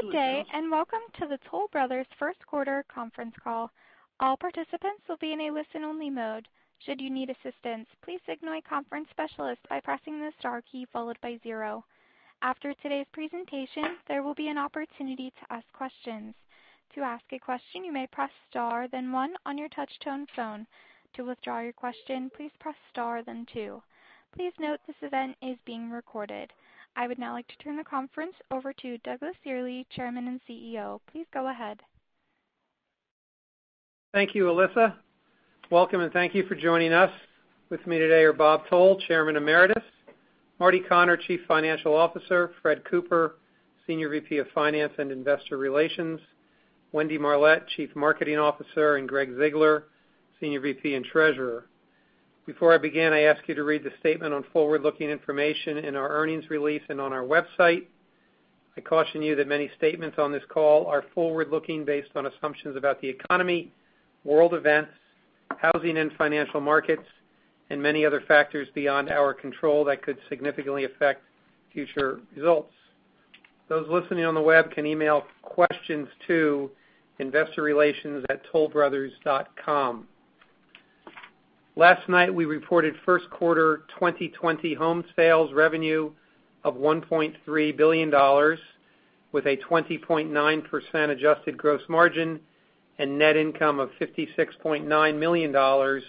Good day. Welcome to the Toll Brothers' first quarter conference call. All participants will be in a listen-only mode. Should you need assistance, please signal a conference specialist by pressing the star key followed by zero. After today's presentation, there will be an opportunity to ask questions. To ask a question, you may press star then one on your touch-tone phone. To withdraw your question, please press star then two. Please note this event is being recorded. I would now like to turn the conference over to Douglas Yearley, Chairman and CEO. Please go ahead. Thank you, Alyssa. Welcome, and thank you for joining us. With me today are Bob Toll, Chairman Emeritus, Marty Connor, Chief Financial Officer, Fred Cooper, Senior VP of Finance and Investor Relations, Wendy Marlett, Chief Marketing Officer, and Gregg Ziegler, Senior VP and Treasurer. Before I begin, I ask you to read the statement on forward-looking information in our earnings release and on our website. I caution you that many statements on this call are forward-looking based on assumptions about the economy, world events, housing and financial markets, and many other factors beyond our control that could significantly affect future results. Those listening on the web can email questions to investorrelations@tollbrothers.com. Last night, we reported first quarter 2020 home sales revenue of $1.3 billion, with a 20.9% adjusted gross margin and net income of $56.9 million, or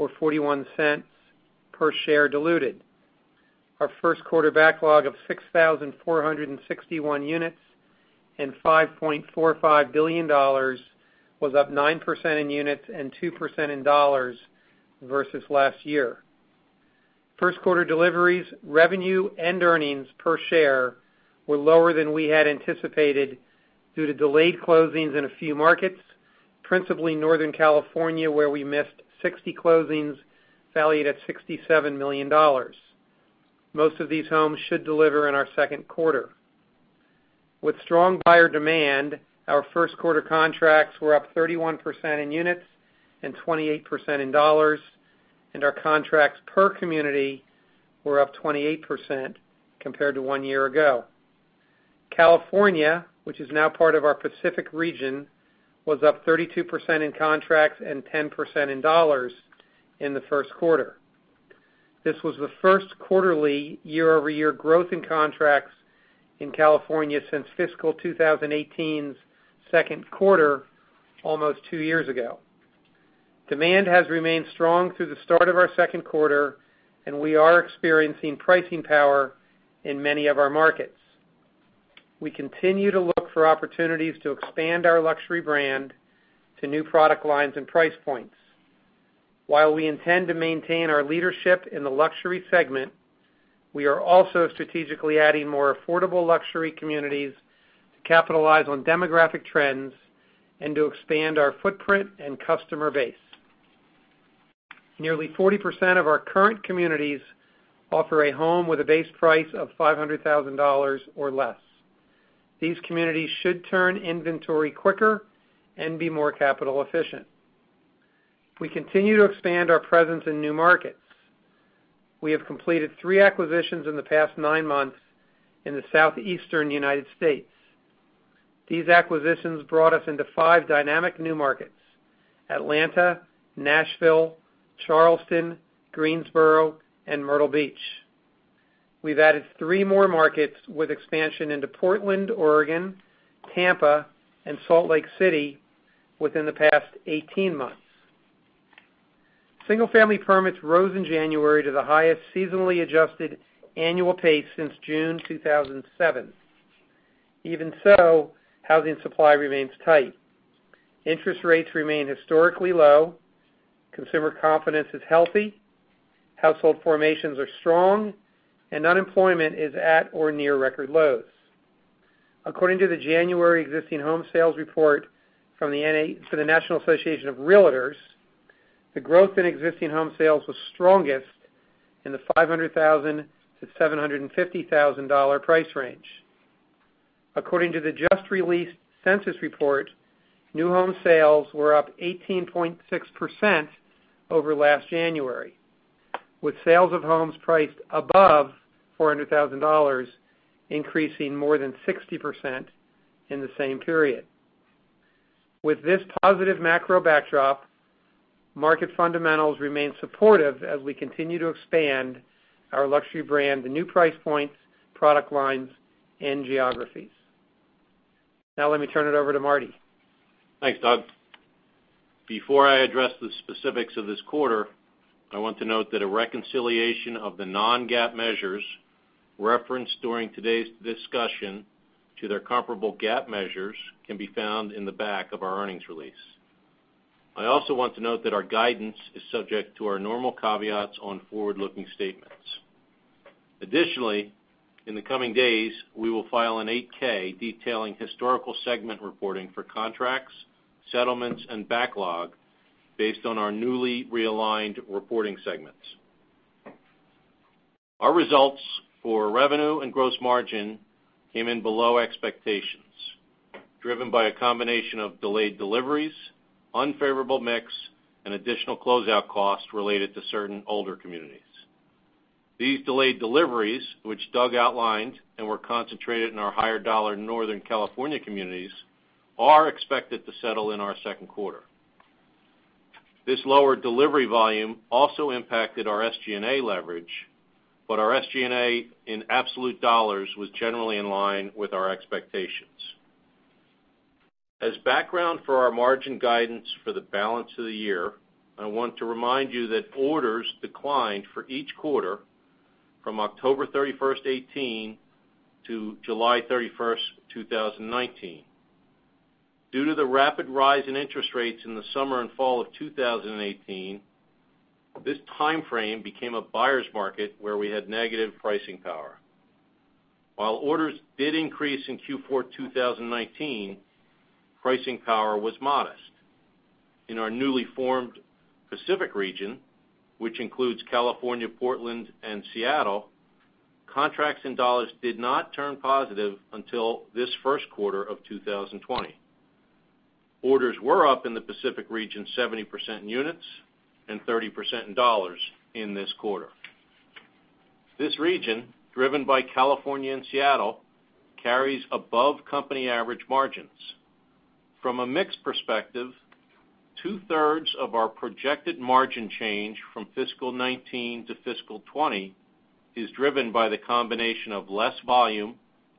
$0.41 per share diluted. Our first quarter backlog of 6,461 units and $5.45 billion was up 9% in units and 2% in dollars versus last year. First quarter deliveries, revenue, and earnings per share were lower than we had anticipated due to delayed closings in a few markets, principally Northern California, where we missed 60 closings valued at $67 million. Most of these homes should deliver in our second quarter. With strong buyer demand, our first quarter contracts were up 31% in units and 28% in dollars, and our contracts per community were up 28% compared to one year ago. California, which is now part of our Pacific Region, was up 32% in contracts and 10% in dollars in the first quarter. This was the first quarterly year-over-year growth in contracts in California since fiscal 2018's second quarter, almost two years ago. Demand has remained strong through the start of our second quarter, and we are experiencing pricing power in many of our markets. We continue to look for opportunities to expand our luxury brand to new product lines and price points. While we intend to maintain our leadership in the luxury segment, we are also strategically adding more affordable luxury communities to capitalize on demographic trends and to expand our footprint and customer base. Nearly 40% of our current communities offer a home with a base price of $500,000 or less. These communities should turn inventory quicker and be more capital efficient. We continue to expand our presence in new markets. We have completed three acquisitions in the past nine months in the Southeastern United States. These acquisitions brought us into five dynamic new markets: Atlanta, Nashville, Charleston, Greensboro, and Myrtle Beach. We've added three more markets with expansion into Portland, Oregon, Tampa, and Salt Lake City within the past 18 months. Single-family permits rose in January to the highest seasonally adjusted annual pace since June 2007. Even so, housing supply remains tight. Interest rates remain historically low, consumer confidence is healthy, household formations are strong, and unemployment is at or near record lows. According to the January existing home sales report from the National Association of Realtors, the growth in existing home sales was strongest in the $500,000-$750,000 price range. According to the just-released census report, new home sales were up 18.6% over last January, with sales of homes priced above $400,000 increasing more than 60% in the same period. With this positive macro backdrop, market fundamentals remain supportive as we continue to expand our luxury brand to new price points, product lines, and geographies. Now let me turn it over to Marty. Thanks, Doug. Before I address the specifics of this quarter, I want to note that a reconciliation of the non-GAAP measures referenced during today's discussion to their comparable GAAP measures can be found in the back of our earnings release. I also want to note that our guidance is subject to our normal caveats on forward-looking statements. Additionally, in the coming days, we will file an 8-K detailing historical segment reporting for contracts, settlements, and backlog based on our newly realigned reporting segments. Our results for revenue and gross margin came in below expectations, driven by a combination of delayed deliveries, unfavorable mix, and additional closeout costs related to certain older communities. These delayed deliveries, which Doug outlined and were concentrated in our higher dollar Northern California communities, are expected to settle in our second quarter. This lower delivery volume also impacted our SG&A leverage, but our SG&A in absolute dollars was generally in line with our expectations. As background for our margin guidance for the balance of the year, I want to remind you that orders declined for each quarter from October 31st, 2018 to July 31st, 2019. Due to the rapid rise in interest rates in the summer and fall of 2018, this timeframe became a buyer's market where we had negative pricing power. While orders did increase in Q4 2019, pricing power was modest. In our newly formed Pacific region, which includes California, Portland, and Seattle, contracts in dollars did not turn positive until this first quarter of 2020. Orders were up in the Pacific region 70% in units and 30% in dollars in this quarter. This region, driven by California and Seattle, carries above company average margins. From a mix perspective, 2/3 of our projected margin change from fiscal 2019 to fiscal 2020 is driven by the combination of less volume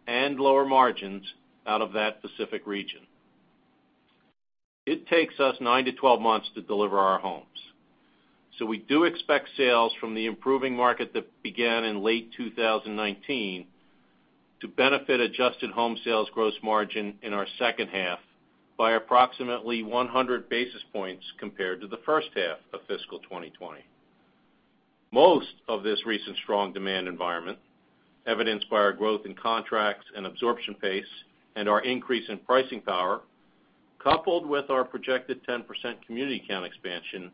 and lower margins out of that Pacific region. We do expect sales from the improving market that began in late 2019 to benefit adjusted home sales gross margin in our second half by approximately 100 basis points compared to the first half of fiscal 2020. Most of this recent strong demand environment, evidenced by our growth in contracts and absorption pace and our increase in pricing power, coupled with our projected 10% community count expansion,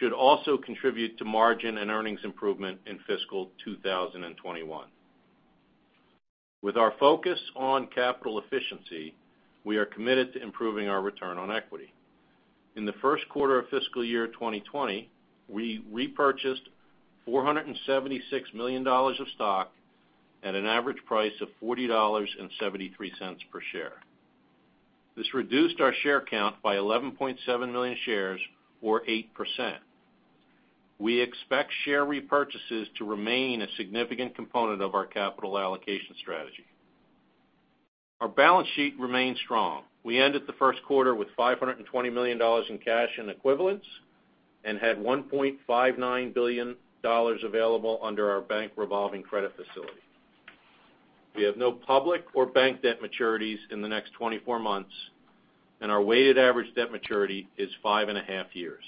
should also contribute to margin and earnings improvement in fiscal 2021. With our focus on capital efficiency, we are committed to improving our return on equity. In the first quarter of fiscal year 2020, we repurchased $476 million of stock at an average price of $40.73 per share. This reduced our share count by 11.7 million shares or 8%. We expect share repurchases to remain a significant component of our capital allocation strategy. Our balance sheet remains strong. We ended the first quarter with $520 million in cash and equivalents and had $1.59 billion available under our bank revolving credit facility. We have no public or bank debt maturities in the next 24 months, and our weighted average debt maturity is 5.5 years.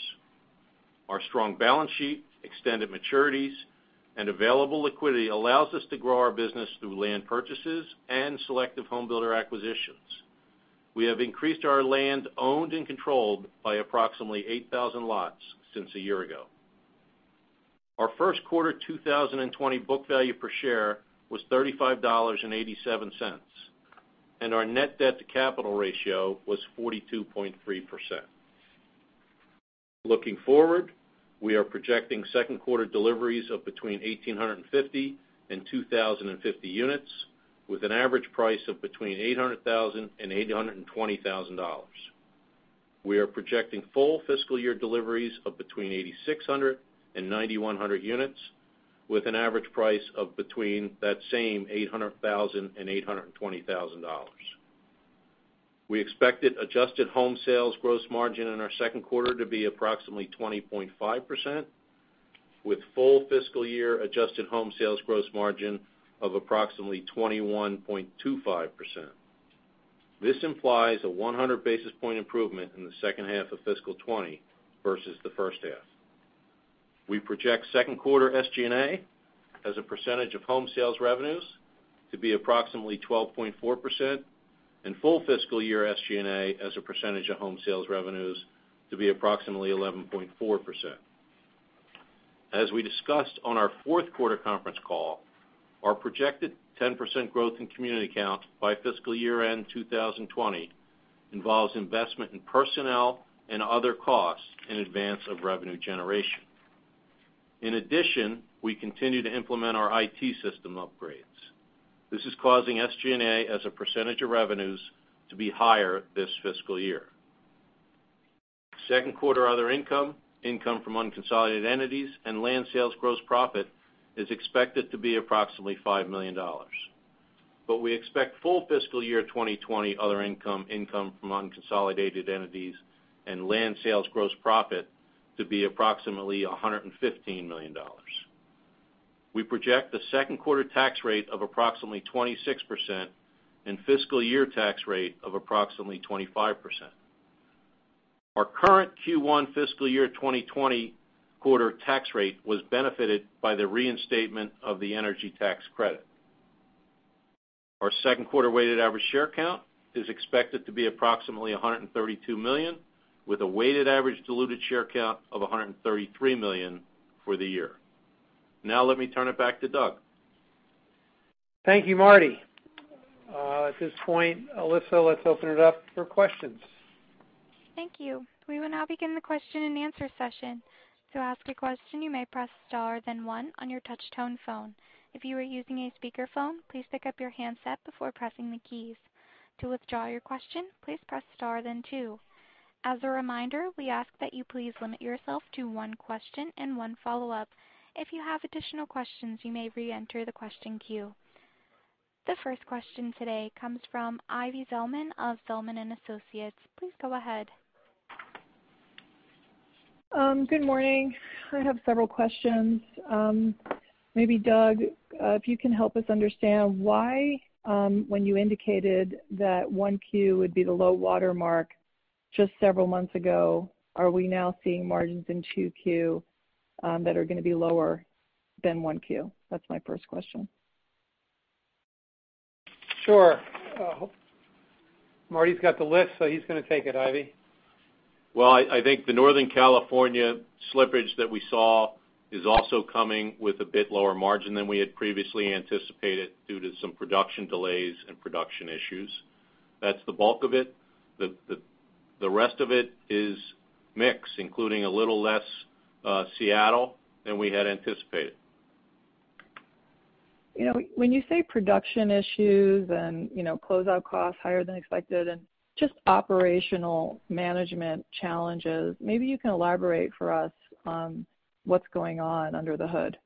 Our strong balance sheet, extended maturities, and available liquidity allows us to grow our business through land purchases and selective home builder acquisitions. We have increased our land owned and controlled by approximately 8,000 lots since a year ago. Our first quarter 2020 book value per share was $35.87, and our net debt-to-capital ratio was 42.3%. Looking forward, we are projecting second quarter deliveries of between 1,850 and 2,050 units with an average price of between $800,000 and $820,000. We are projecting full fiscal year deliveries of between 8,600 and 9,100 units with an average price of between that same $800,000 and $820,000. We expected adjusted home sales gross margin in our second quarter to be approximately 20.5% with full fiscal year adjusted home sales gross margin of approximately 21.25%. This implies a 100 basis point improvement in the second half of fiscal 2020 versus the first half. We project second quarter SG&A as a percentage of home sales revenues to be approximately 12.4% and full fiscal year SG&A as a percentage of home sales revenues to be approximately 11.4%. As we discussed on our fourth quarter conference call, our projected 10% growth in community count by fiscal year-end 2020 involves investment in personnel and other costs in advance of revenue generation. In addition, we continue to implement our IT system upgrades. This is causing SG&A as a percentage of revenues to be higher this fiscal year. Second quarter other income from unconsolidated entities, and land sales gross profit is expected to be approximately $5 million. We expect full fiscal year 2020 other income from unconsolidated entities, and land sales gross profit to be approximately $115 million. We project the second quarter tax rate of approximately 26% and fiscal year tax rate of approximately 25%. Our current Q1 fiscal year 2020 quarter tax rate was benefited by the reinstatement of the energy tax credit. Our second quarter weighted average share count is expected to be approximately 132 million with a weighted average diluted share count of 133 million for the year. Now let me turn it back to Doug. Thank you, Marty. At this point, Alyssa, let's open it up for questions. Thank you. We will now begin the question and answer session. To ask a question, you may press star then one on your touchtone phone. If you are using a speakerphone, please pick up your handset before pressing the keys. To withdraw your question, please press star then two. As a reminder, we ask that you please limit yourself to one question and one follow-up. If you have additional questions, you may reenter the question queue. The first question today comes from Ivy Zelman of Zelman & Associates. Please go ahead. Good morning. I have several questions. Maybe Doug, if you can help us understand why, when you indicated that 1Q would be the low water mark just several months ago, are we now seeing margins in 2Q that are going to be lower than 1Q? That's my first question. Sure. Marty's got the list, so he's going to take it, Ivy. I think the Northern California slippage that we saw is also coming with a bit lower margin than we had previously anticipated due to some production delays and production issues. That's the bulk of it. The rest of it is mix, including a little less Seattle than we had anticipated. When you say production issues and closeout costs higher than expected, and just operational management challenges, maybe you can elaborate for us what's going on under the hood?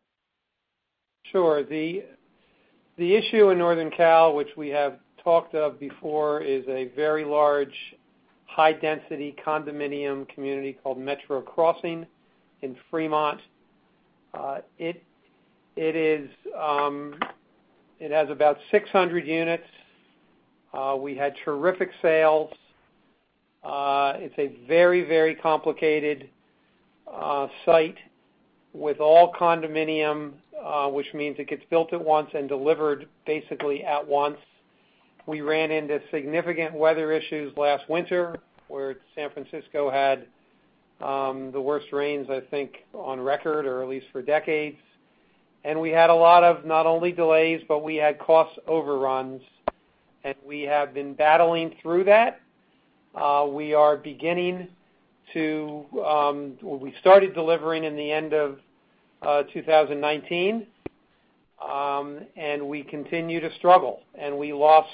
Sure. The issue in Northern California, which we have talked of before, is a very large, high-density condominium community called Metro Crossing in Fremont. It has about 600 units. We had terrific sales. It's a very complicated site with all condominium, which means it gets built at once and delivered basically at once. We ran into significant weather issues last winter, where San Francisco had the worst rains, I think, on record or at least for decades. We had a lot of not only delays, but we had cost overruns, and we have been battling through that. We started delivering in the end of 2019, and we continue to struggle. We lost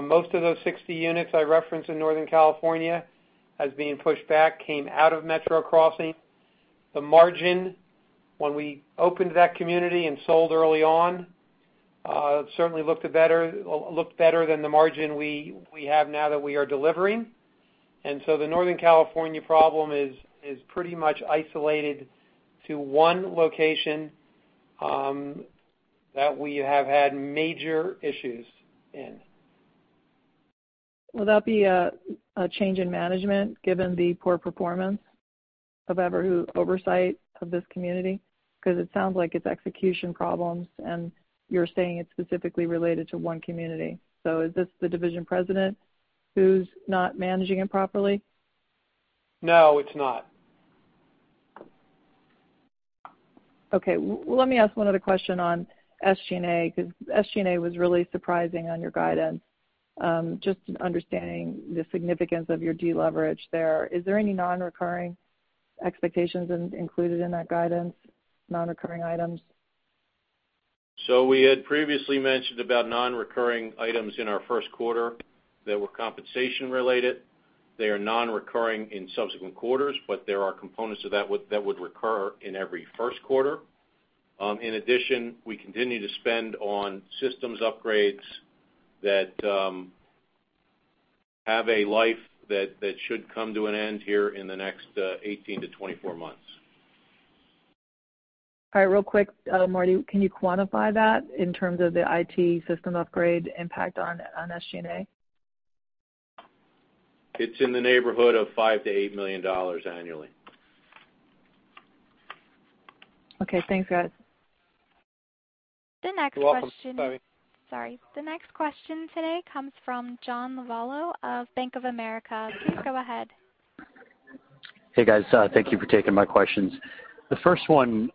most of those 60 units I referenced in Northern California as being pushed back, came out of Metro Crossing. The margin, when we opened that community and sold early on, certainly looked better than the margin we have now that we are delivering. The Northern California problem is pretty much isolated to one location that we have had major issues in. Will that be a change in management given the poor performance of whoever, oversight of this community? It sounds like it's execution problems, and you're saying it's specifically related to one community. Is this the division president who's not managing it properly? No, it's not. Okay. Well, let me ask one other question on SG&A, because SG&A was really surprising on your guidance. Just understanding the significance of your deleverage there. Is there any non-recurring expectations included in that guidance, non-recurring items? We had previously mentioned about non-recurring items in our first quarter that were compensation related. They are non-recurring in subsequent quarters, but there are components that would recur in every first quarter. In addition, we continue to spend on systems upgrades that have a life that should come to an end here in the next 18-24 months. All right. Real quick, Marty, can you quantify that in terms of the IT system upgrade impact on SG&A? It's in the neighborhood of $5 million-$8 million annually. Okay. Thanks, guys. The next question. You're welcome. Sorry. Sorry. The next question today comes from John Lovallo of Bank of America. Please go ahead. Hey, guys. Thank you for taking my questions. The first one,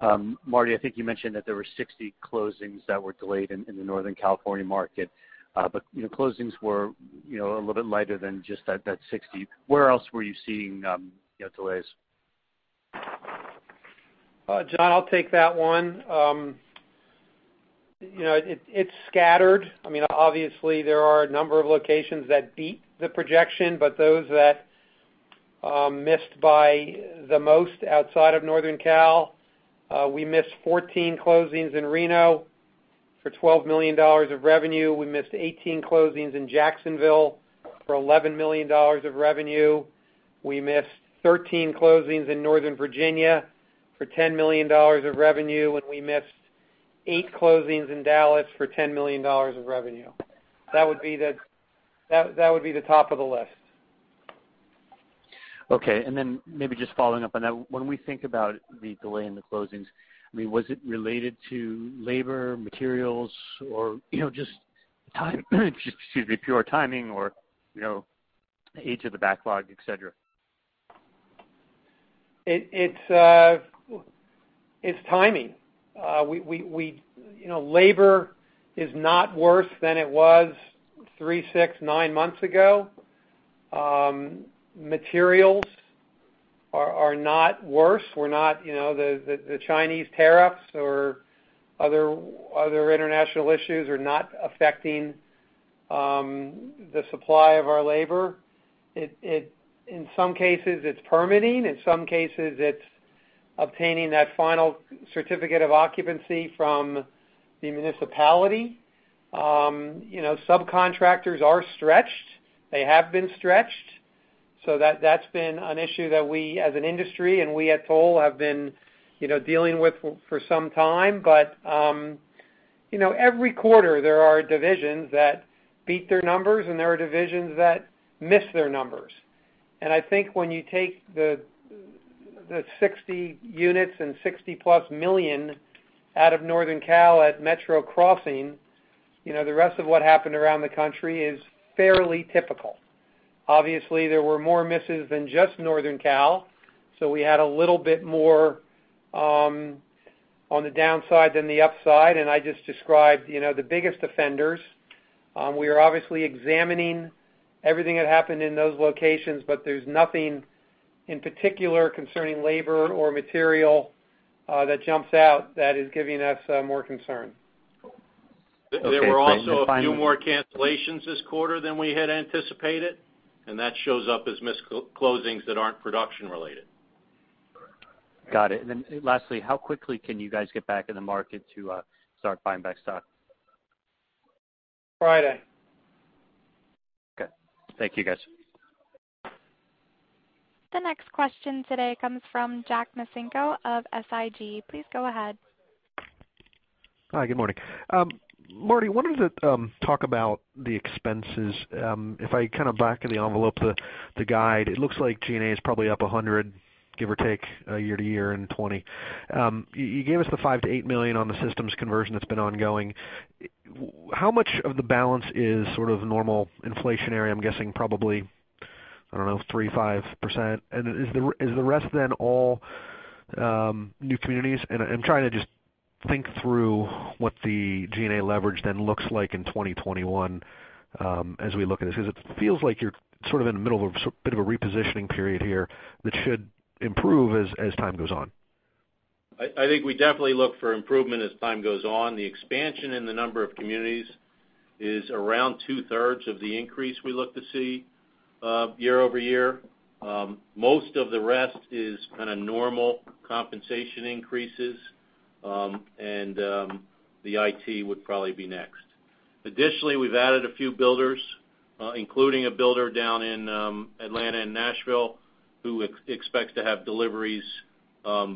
Marty, I think you mentioned that there were 60 closings that were delayed in the Northern California market. Closings were a little bit lighter than just that 60. Where else were you seeing delays? John, I'll take that one. It's scattered. Obviously, there are a number of locations that beat the projection, but those that missed by the most outside of Northern Cal, we missed 14 closings in Reno for $12 million of revenue. We missed 18 closings in Jacksonville for $11 million of revenue. We missed 13 closings in Northern Virginia for $10 million of revenue, and we missed eight closings in Dallas for $10 million of revenue. That would be the top of the list. Okay. Maybe just following up on that, when we think about the delay in the closings, was it related to labor, materials, or just pure timing or age of the backlog, et cetera? It's timing. Labor is not worse than it was three, six, nine months ago. Materials are not worse. The Chinese tariffs or other international issues are not affecting the supply of our labor. In some cases, it's permitting. In some cases, it's obtaining that final certificate of occupancy from the municipality. Subcontractors are stretched. They have been stretched. That's been an issue that we, as an industry, and we at Toll have been dealing with for some time. Every quarter, there are divisions that beat their numbers, and there are divisions that miss their numbers. I think when you take the 60 units and $60 million+ out of Northern California at Metro Crossing, the rest of what happened around the country is fairly typical. Obviously, there were more misses than just Northern California, so we had a little bit more on the downside than the upside, and I just described the biggest offenders. We are obviously examining everything that happened in those locations, but there's nothing in particular concerning labor or material that jumps out that is giving us more concern. Okay. There were also a few more cancellations this quarter than we had anticipated, and that shows up as missed closings that aren't production related. Got it. Lastly, how quickly can you guys get back in the market to start buying back stock? Friday. Okay. Thank you, guys. The next question today comes from Jack Micenko of SIG. Please go ahead. Hi, good morning. Marty, I wanted to talk about the expenses. If I kind of back of the envelope the guide, it looks like G&A is probably up 100, give or take, year-to-year in 2020. You gave us the $5 million-$8 million on the systems conversion that's been ongoing. How much of the balance is sort of normal inflationary? I'm guessing probably, I don't know, 3%, 5%. Is the rest then all new communities? I'm trying to just think through what the G&A leverage then looks like in 2021 as we look at this, because it feels like you're sort of in the middle of a bit of a repositioning period here that should improve as time goes on. I think we definitely look for improvement as time goes on. The expansion in the number of communities is around two-thirds of the increase we look to see year-over-year. Most of the rest is kind of normal compensation increases, and the IT would probably be next. Additionally, we've added a few builders, including a builder down in Atlanta and Nashville, who expect to have deliveries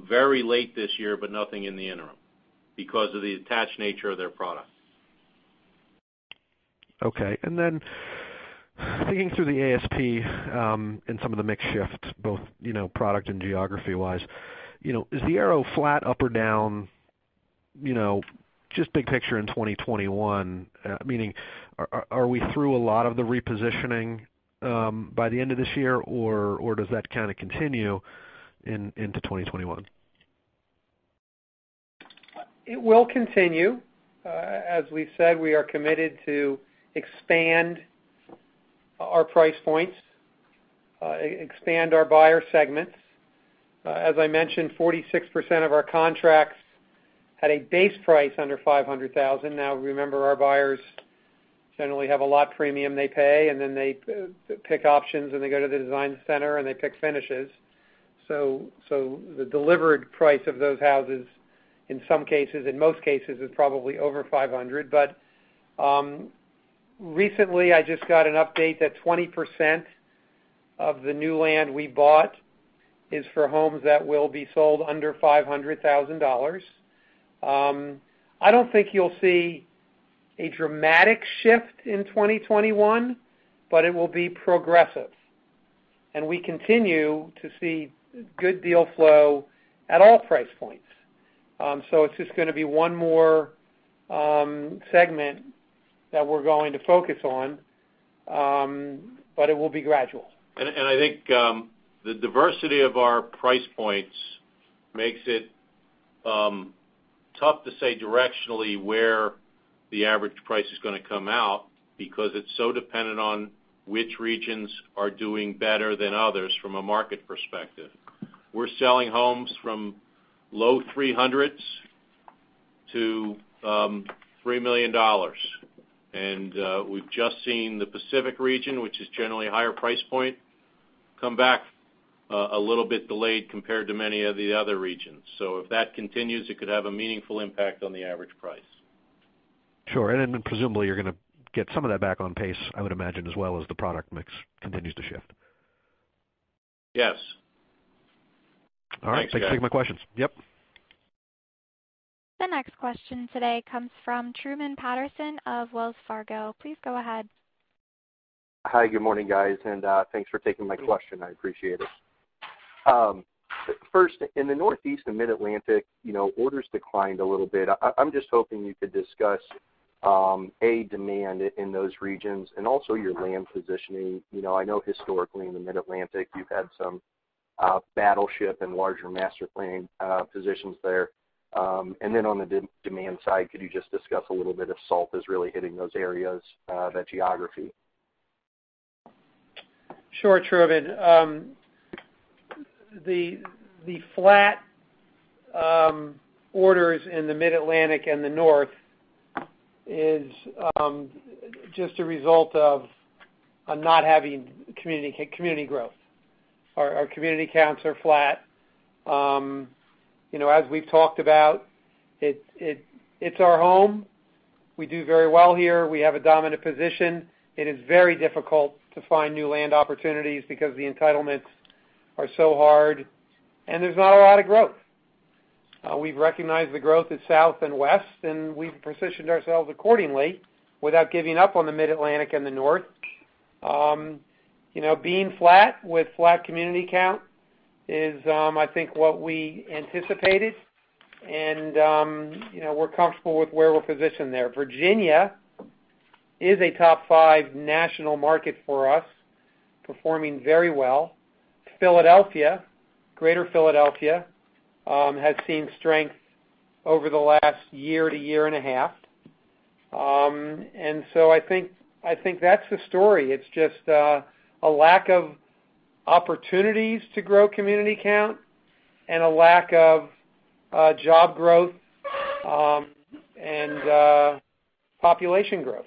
very late this year, but nothing in the interim because of the attached nature of their product. Okay, then thinking through the ASP and some of the mix shift, both product and geography wise, is the arrow flat up or down, just big picture in 2021? Meaning, are we through a lot of the repositioning by the end of this year, or does that kind of continue into 2021? It will continue. As we've said, we are committed to expand our price points, expand our buyer segments. As I mentioned, 46% of our contracts had a base price under $500,000. Remember, our buyers generally have a lot premium they pay, and then they pick options, and they go to the design center, and they pick finishes. The delivered price of those houses, in most cases, is probably over $500,000. Recently, I just got an update that 20% of the new land we bought is for homes that will be sold under $500,000. I don't think you'll see a dramatic shift in 2021, but it will be progressive. We continue to see good deal flow at all price points. It's just going to be one more segment that we're going to focus on, but it will be gradual. I think the diversity of our price points makes it tough to say directionally where the average price is going to come out because it's so dependent on which regions are doing better than others from a market perspective. We're selling homes from low $300,000s to $3 million. We've just seen the Pacific region, which is generally a higher price point, come back a little bit delayed compared to many of the other regions. If that continues, it could have a meaningful impact on the average price. Sure. Presumably you're going to get some of that back on pace, I would imagine, as well as the product mix continues to shift. Yes. All right. Thanks, Jack. Thanks for taking my questions. Yep. The next question today comes from Truman Patterson of Wells Fargo. Please go ahead. Hi, good morning, guys, and thanks for taking my question. I appreciate it. First, in the Northeast and Mid-Atlantic, orders declined a little bit. I'm just hoping you could discuss A, demand in those regions, and also your land positioning. I know historically in the Mid-Atlantic, you've had some battleship and larger master plan positions there. On the demand side, could you just discuss a little bit if SALT is really hitting those areas, that geography? Sure, Truman. The flat orders in the Mid-Atlantic and the North is just a result of not having community growth. Our community counts are flat. As we've talked about, it's our home. We do very well here. We have a dominant position. It is very difficult to find new land opportunities because the entitlements are so hard, and there's not a lot of growth. We've recognized the growth is south and west, and we've positioned ourselves accordingly without giving up on the Mid-Atlantic and the North. Being flat with flat community count is, I think, what we anticipated, and we're comfortable with where we're positioned there. Virginia is a top five national market for us, performing very well. Philadelphia, Greater Philadelphia, has seen strength over the last year to year and a half. I think that's the story. It's just a lack of opportunities to grow community count and a lack of job growth and population growth.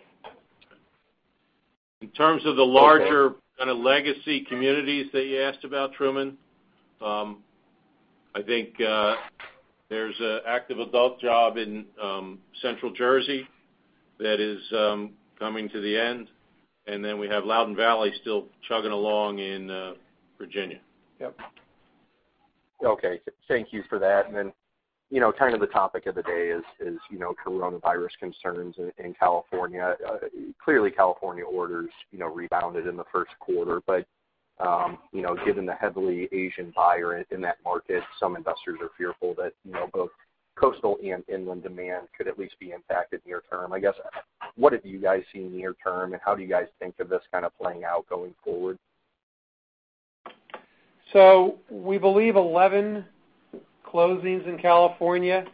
In terms of the larger kind of legacy communities that you asked about, Truman, I think there's an active adult job in Central Jersey that is coming to the end, and then we have Loudoun Valley still chugging along in Virginia. Yep. Okay. Thank you for that. Kind of the topic of the day is coronavirus concerns in California. Clearly, California orders rebounded in the first quarter, given the heavily Asian buyer in that market, some investors are fearful that both coastal and inland demand could at least be impacted near term. I guess, what have you guys seen near term, how do you guys think of this kind of playing out going forward? We believe 11 closings in California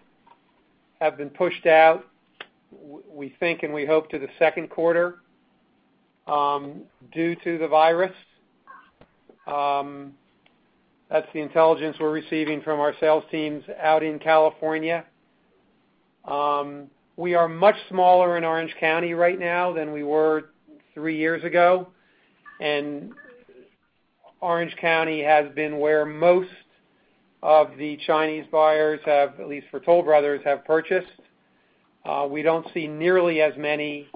have been pushed out, we think, and we hope, to the second quarter due to the virus. That's the intelligence we're receiving from our sales teams out in California. We are much smaller in Orange County right now than we were three years ago, Orange County has been where most of the Chinese buyers, at least for Toll Brothers, have purchased. We don't see nearly as many.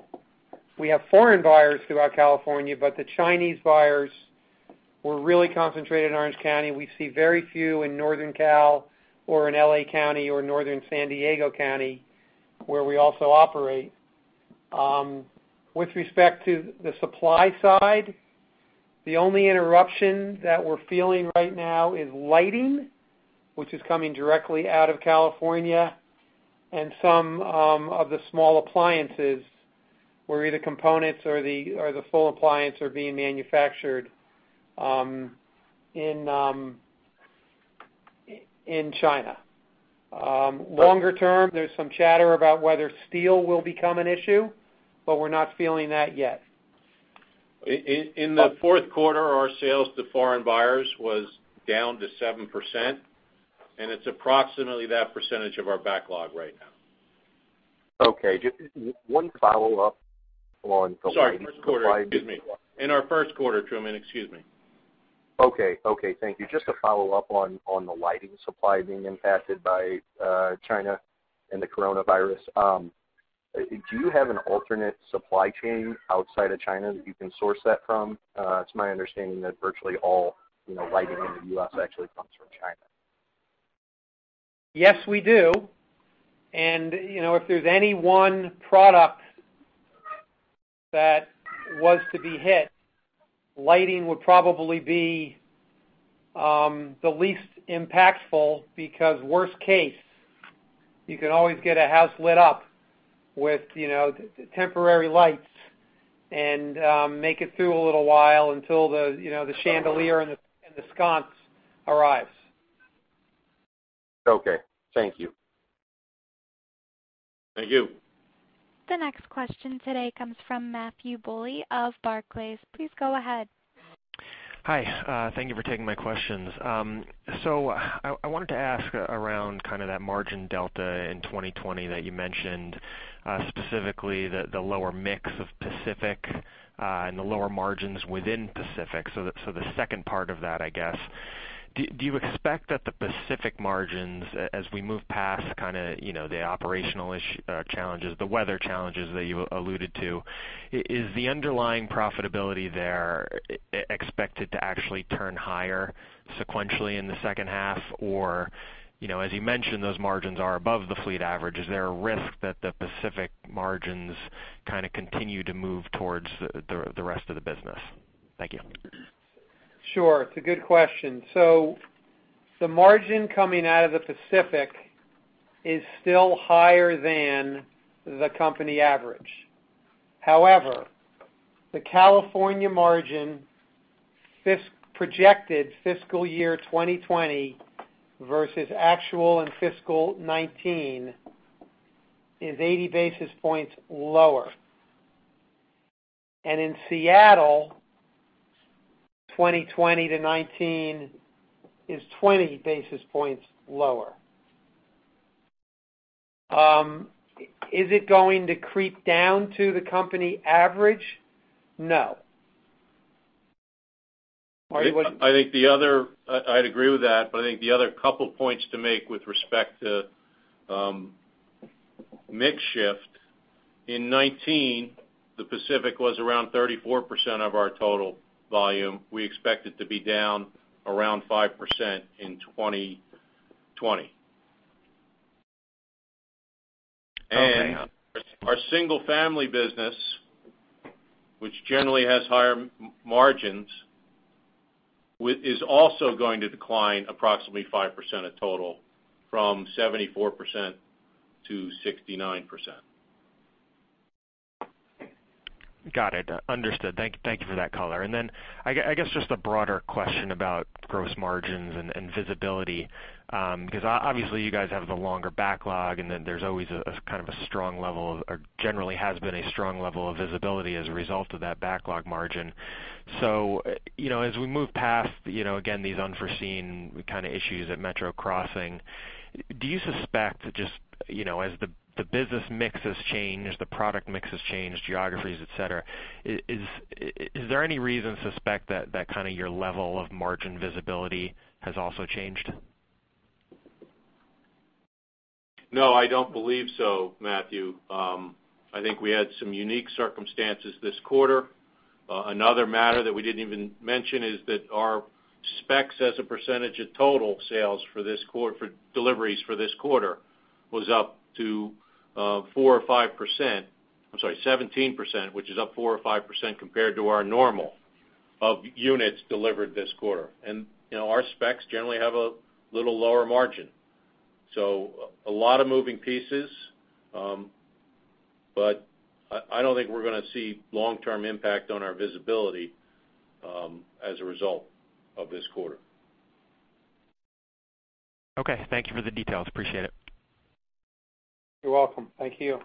We have foreign buyers throughout California, the Chinese buyers were really concentrated in Orange County. We see very few in Northern California or in L.A. County or Northern San Diego County, where we also operate. With respect to the supply side, the only interruption that we're feeling right now is lighting, which is coming directly out of California, and some of the small appliances where either components or the full appliance are being manufactured in China. Longer term, there's some chatter about whether steel will become an issue, but we're not feeling that yet. In the fourth quarter, our sales to foreign buyers was down to 7%, and it's approximately that percentage of our backlog right now. Okay. Just one follow-up on the lighting supply- Sorry, first quarter. Excuse me. In our first quarter, Truman. Excuse me. Okay. Thank you. Just to follow up on the lighting supply being impacted by China and the coronavirus, do you have an alternate supply chain outside of China that you can source that from? It's my understanding that virtually all lighting in the U.S. actually comes from China. Yes, we do. If there's any one product that was to be hit, lighting would probably be the least impactful because worst case, you can always get a house lit up with temporary lights and make it through a little while until the chandelier and the sconce arrives. Okay. Thank you. Thank you. The next question today comes from Matthew Bouley of Barclays. Please go ahead. Hi. Thank you for taking my questions. I wanted to ask around kind of that margin delta in 2020 that you mentioned, specifically the lower mix of Pacific and the lower margins within Pacific. The second part of that, I guess, do you expect that the Pacific margins, as we move past kind of the operational challenges, the weather challenges that you alluded to, is the underlying profitability there expected to actually turn higher sequentially in the second half? As you mentioned, those margins are above the fleet average. Is there a risk that the Pacific margins kind of continue to move towards the rest of the business? Thank you. Sure. It's a good question. The margin coming out of the Pacific is still higher than the company average. However, the California margin projected fiscal year 2020 versus actual in fiscal 2019 is 80 basis points lower. In Seattle, 2020 to 2019 is 20 basis points lower. Is it going to creep down to the company average? No. Marty. I'd agree with that, but I think the other couple points to make with respect to mix shift. In 2019, the Pacific was around 34% of our total volume. We expect it to be down around 5% in 2020. Okay. Our single-family business, which generally has higher margins, is also going to decline approximately 5% of total from 74%-69%. Got it. Understood. Thank you for that color. I guess just a broader question about gross margins and visibility. Obviously you guys have the longer backlog, there's always kind of a strong level, or generally has been a strong level of visibility as a result of that backlog margin. As we move past, again, these unforeseen kind of issues at Metro Crossing, do you suspect just as the business mix has changed, the product mix has changed, geographies, et cetera, is there any reason to suspect that kind of your level of margin visibility has also changed? No, I don't believe so, Matthew. I think we had some unique circumstances this quarter. Another matter that we didn't even mention is that our specs as a percentage of total sales for deliveries for this quarter was up to 4% or 5%, I'm sorry, 17%, which is up 4% or 5% compared to our normal of units delivered this quarter. Our specs generally have a little lower margin. A lot of moving pieces. I don't think we're going to see long-term impact on our visibility as a result of this quarter. Okay. Thank you for the details. Appreciate it. You're welcome. Thank you.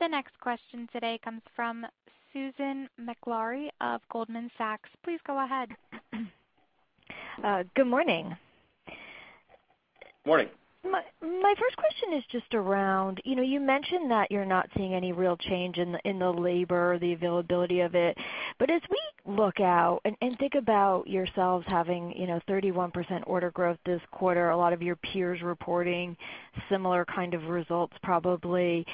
The next question today comes from Susan Maklari of Goldman Sachs. Please go ahead. Good morning. Morning. My first question is just around, you mentioned that you're not seeing any real change in the labor, the availability of it. As we look out and think about yourselves having 31% order growth this quarter, a lot of your peers reporting similar kind of results probably,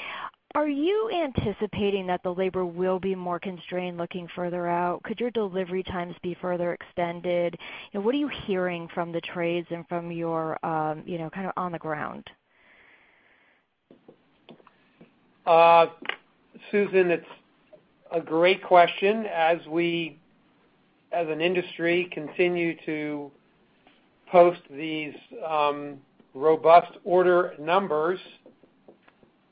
are you anticipating that the labor will be more constrained looking further out? Could your delivery times be further extended? What are you hearing from the trades and from your kind of on the ground? Susan, it's a great question. As an industry continue to post these robust order numbers,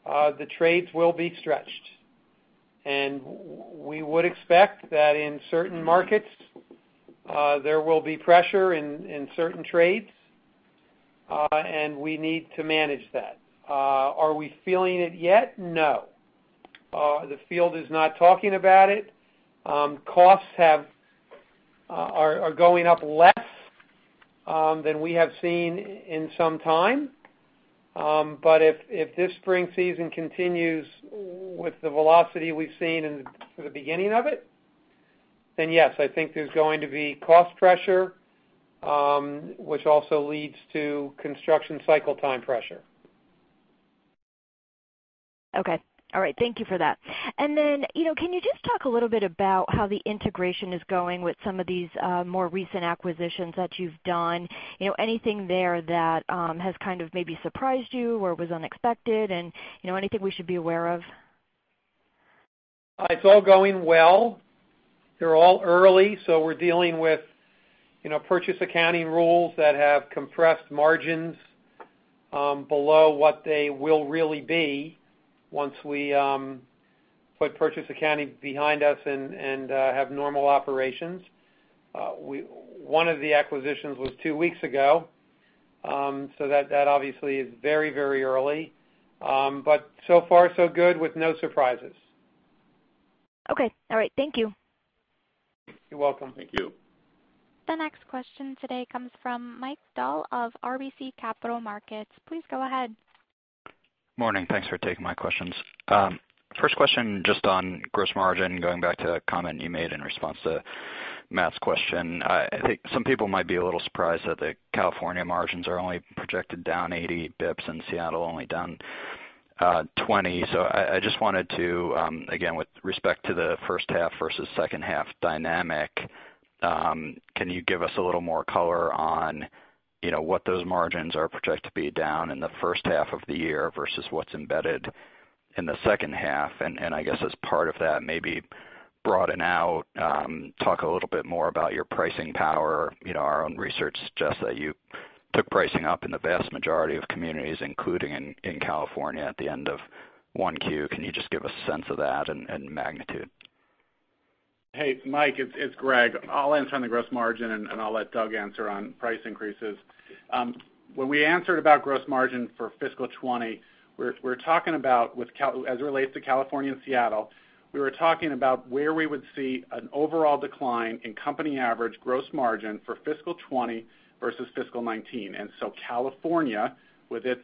the trades will be stretched. We would expect that in certain markets, there will be pressure in certain trades, and we need to manage that. Are we feeling it yet? No. The field is not talking about it. Costs are going up less than we have seen in some time. If this spring season continues with the velocity we've seen in the beginning of it, then yes, I think there's going to be cost pressure, which also leads to construction cycle time pressure. Okay. All right. Thank you for that. Can you just talk a little bit about how the integration is going with some of these more recent acquisitions that you've done? Anything there that has kind of maybe surprised you or was unexpected and anything we should be aware of? It's all going well. They're all early. We're dealing with purchase accounting rules that have compressed margins below what they will really be once we put purchase accounting behind us and have normal operations. One of the acquisitions was two weeks ago. That obviously is very early. So far so good with no surprises. Okay. All right. Thank you. You're welcome. Thank you. The next question today comes from Mike Dahl of RBC Capital Markets. Please go ahead. Morning. Thanks for taking my questions. First question, just on gross margin, going back to a comment you made in response to Matt's question. I think some people might be a little surprised that the California margins are only projected down 80 bps and Seattle only down 20 basis points. I just wanted to, again, with respect to the first half versus second half dynamic, can you give us a little more color on what those margins are projected to be down in the first half of the year versus what's embedded in the second half. I guess as part of that, maybe broaden out, talk a little bit more about your pricing power. Our own research suggests that you took pricing up in the vast majority of communities, including in California, at the end of 1Q. Can you just give a sense of that and magnitude? Hey, Mike, it's Gregg. I'll answer on the gross margin, I'll let Doug answer on price increases. When we answered about gross margin for fiscal 2020, as it relates to California and Seattle, we were talking about where we would see an overall decline in company average gross margin for fiscal 2020 versus fiscal 2019. California, with its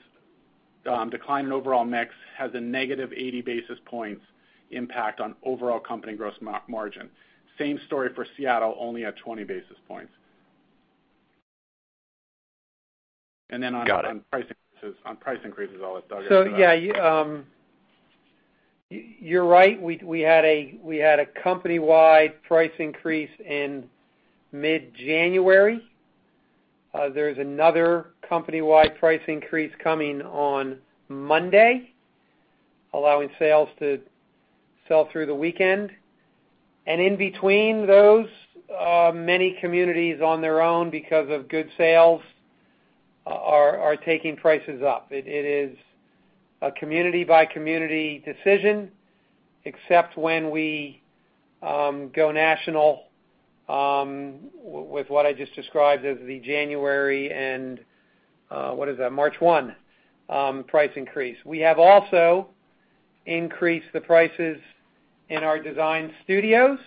decline in overall mix, has a -80 basis points impact on overall company gross margin. Same story for Seattle, only at 20 basis points. Got it. On price increases, I'll let Doug answer that. Yeah, you're right. We had a company-wide price increase in mid-January. There's another company-wide price increase coming on Monday, allowing sales to sell through the weekend. In between those, many communities on their own, because of good sales, are taking prices up. It is a community-by-community decision, except when we go national with what I just described as the January and, what is that, March 1 price increase. We have also increased the prices in our design studios.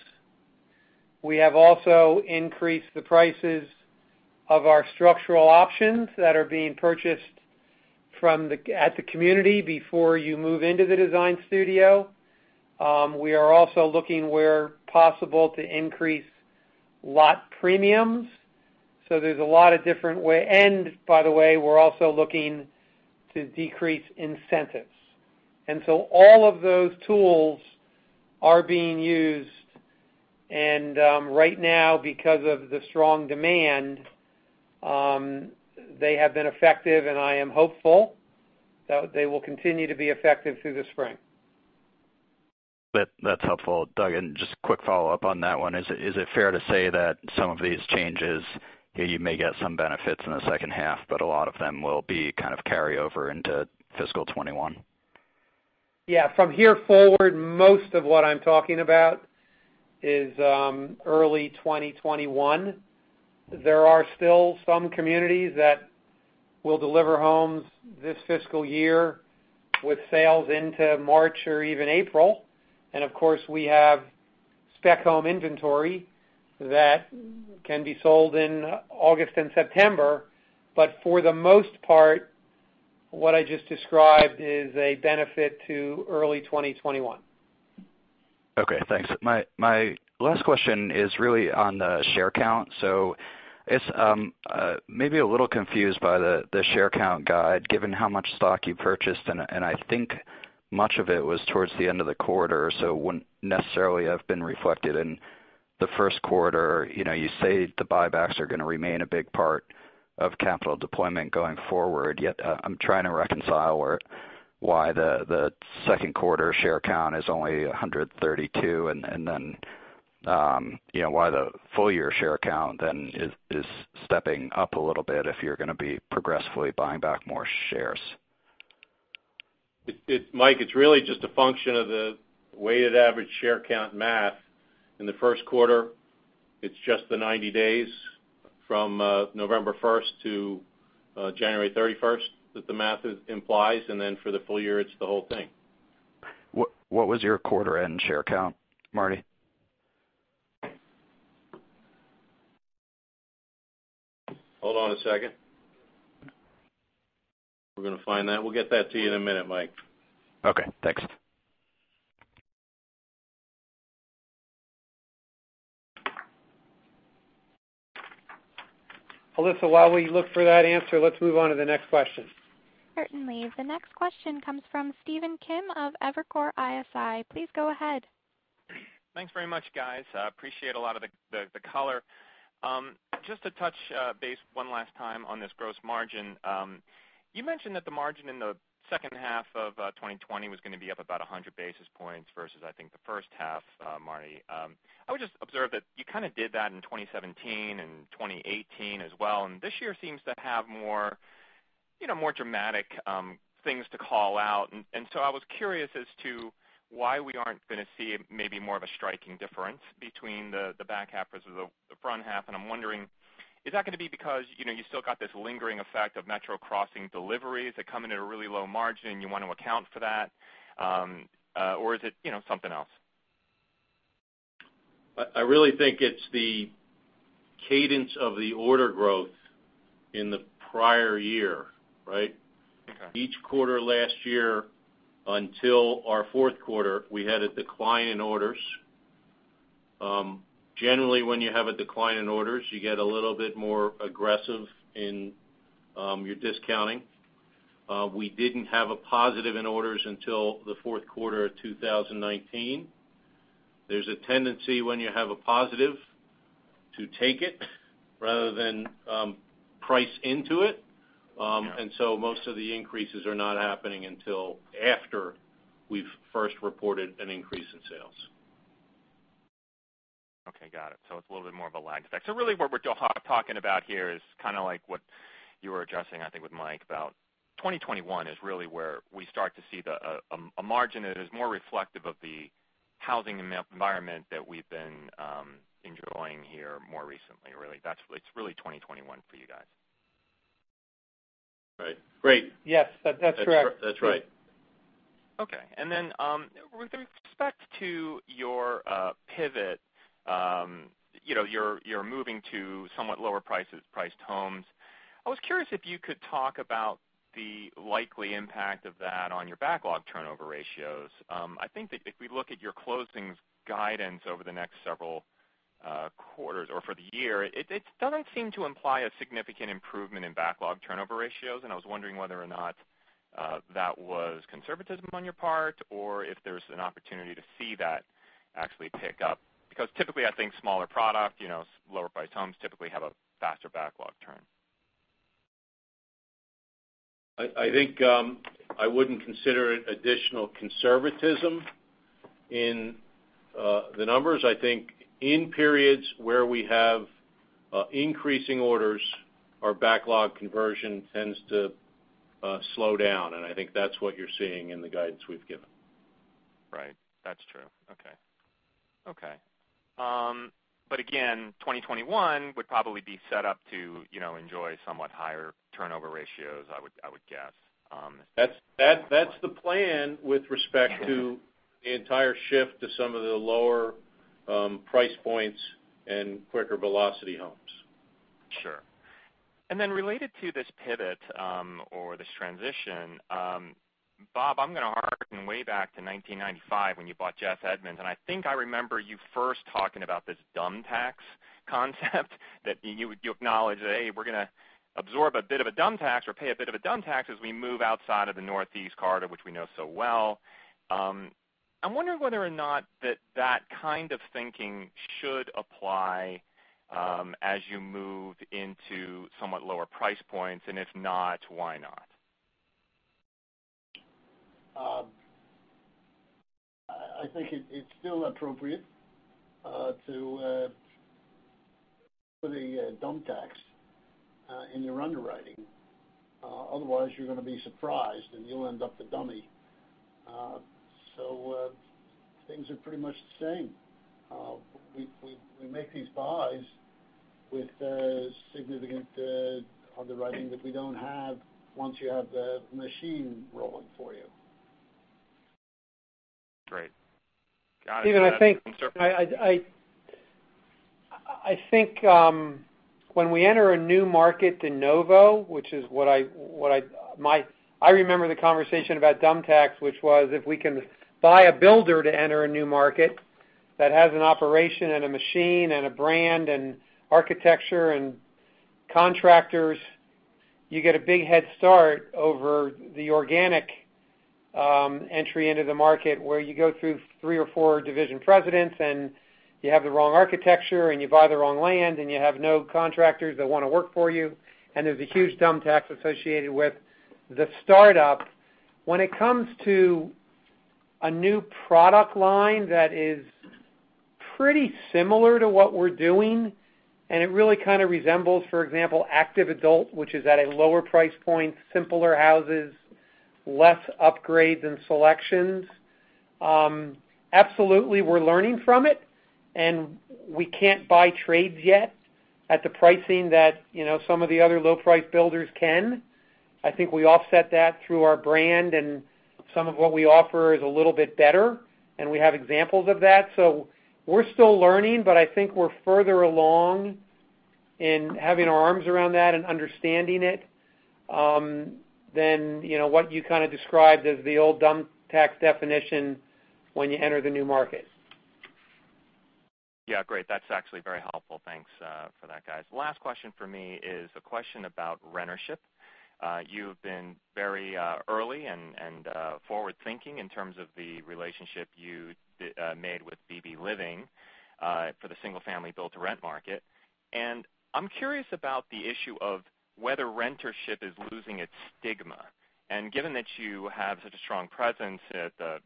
We have also increased the prices of our structural options that are being purchased at the community before you move into the design studio. We are also looking where possible to increase lot premiums. There's a lot of different way and by the way, we're also looking to decrease incentives. All of those tools are being used, and right now, because of the strong demand, they have been effective, and I am hopeful that they will continue to be effective through the spring. That's helpful, Doug. Just quick follow-up on that one. Is it fair to say that some of these changes, you may get some benefits in the second half, but a lot of them will be kind of carry over into fiscal 2021? Yeah. From here forward, most of what I'm talking about is early 2021. There are still some communities that will deliver homes this fiscal year with sales into March or even April. Of course, we have spec home inventory that can be sold in August and September. For the most part, what I just described is a benefit to early 2021. Okay, thanks. My last question is really on the share count. It's maybe a little confused by the share count guide, given how much stock you purchased, and I think much of it was towards the end of the quarter, so it wouldn't necessarily have been reflected in the first quarter. You say the buybacks are going to remain a big part of capital deployment going forward, yet I'm trying to reconcile why the second quarter share count is only 132 and then why the full-year share count then is stepping up a little bit if you're going to be progressively buying back more shares. Mike, it's really just a function of the weighted average share count math. In the first quarter, it's just the 90 days from November 1st to January 31st that the math implies, and then for the full year, it's the whole thing. What was your quarter-end share count, Marty? Hold on a second. We're going to find that. We'll get that to you in a minute, Mike. Okay, thanks. Alyssa, while we look for that answer, let's move on to the next question. Certainly. The next question comes from Stephen Kim of Evercore ISI. Please go ahead. Thanks very much, guys. I appreciate a lot of the color. Just to touch base one last time on this gross margin. You mentioned that the margin in the second half of 2020 was going to be up about 100 basis points versus, I think, the first half, Marty. I would just observe that you kind of did that in 2017 and 2018 as well, and this year seems to have more dramatic things to call out. I was curious as to why we aren't going to see maybe more of a striking difference between the back half versus the front half, and I'm wondering, is that going to be because you still got this lingering effect of Metro Crossing deliveries that come in at a really low margin, you want to account for that? Or is it something else? I really think it's the cadence of the order growth in the prior year, right? Okay. Each quarter last year until our fourth quarter, we had a decline in orders. Generally, when you have a decline in orders, you get a little bit more aggressive in your discounting. We didn't have a positive in orders until the fourth quarter of 2019. There's a tendency when you have a positive to take it rather than price into it. Most of the increases are not happening until after we've first reported an increase in sales. Okay, got it. It's a little bit more of a lag effect. Really what we're talking about here is like what you were addressing, I think with Mike, about 2021 is really where we start to see a margin that is more reflective of the housing environment that we've been enjoying here more recently. It's really 2021 for you guys. Right. Great. Yes. That's correct. That's right. Okay. With respect to your pivot, you're moving to somewhat lower-priced homes. I was curious if you could talk about the likely impact of that on your backlog turnover ratios. I think that if we look at your closings guidance over the next several quarters or for the year, it doesn't seem to imply a significant improvement in backlog turnover ratios, and I was wondering whether or not that was conservatism on your part or if there's an opportunity to see that actually pick up. Typically, I think smaller product, lower-priced homes typically have a faster backlog turn. I think, I wouldn't consider it additional conservatism in the numbers. I think in periods where we have increasing orders, our backlog conversion tends to slow down, and I think that's what you're seeing in the guidance we've given. Right. That's true. Okay. Again, 2021 would probably be set up to enjoy somewhat higher turnover ratios, I would guess. That's the plan with respect to the entire shift to some of the lower price points and quicker velocity homes. Sure. Related to this pivot, or this transition, Bob, I'm going to hearken way back to 1995 when you bought Geoff Edmonds, and I think I remember you first talking about this dumb tax concept. That you acknowledge that, "Hey, we're going to absorb a bit of a dumb tax or pay a bit of a dumb tax as we move outside of the Northeast corridor," which we know so well. I'm wondering whether or not that kind of thinking should apply as you move into somewhat lower price points, and if not, why not? I think it's still appropriate to put a dumb tax in your underwriting. Otherwise, you're going to be surprised, and you'll end up the dummy. Things are pretty much the same. We make these buys with significant underwriting that we don't have once you have the machine rolling for you. Great. Got it. Stephen, I think when we enter a new market de novo, which is what I remember the conversation about dumb tax, which was if we can buy a builder to enter a new market that has an operation and a machine and a brand and architecture and contractors, you get a big head start over the organic entry into the market where you go through three or four division presidents, and you have the wrong architecture, and you buy the wrong land, and you have no contractors that want to work for you. There's a huge dumb tax associated with the startup. When it comes to a new product line that is pretty similar to what we're doing, and it really kind of resembles, for example, active adult, which is at a lower price point, simpler houses, less upgrades and selections. Absolutely, we're learning from it, and we can't buy trades yet at the pricing that some of the other low-price builders can. I think we offset that through our brand, and some of what we offer is a little bit better, and we have examples of that. We're still learning, but I think we're further along in having our arms around that and understanding it than what you kind of described as the old dumb tax definition when you enter the new market. Yeah, great. That's actually very helpful. Thanks for that, guys. Last question from me is a question about rentership. You have been very early and forward-thinking in terms of the relationship you made with BB Living for the single-family build-to-rent market. I'm curious about the issue of whether rentership is losing its stigma. Given that you have such a strong presence at the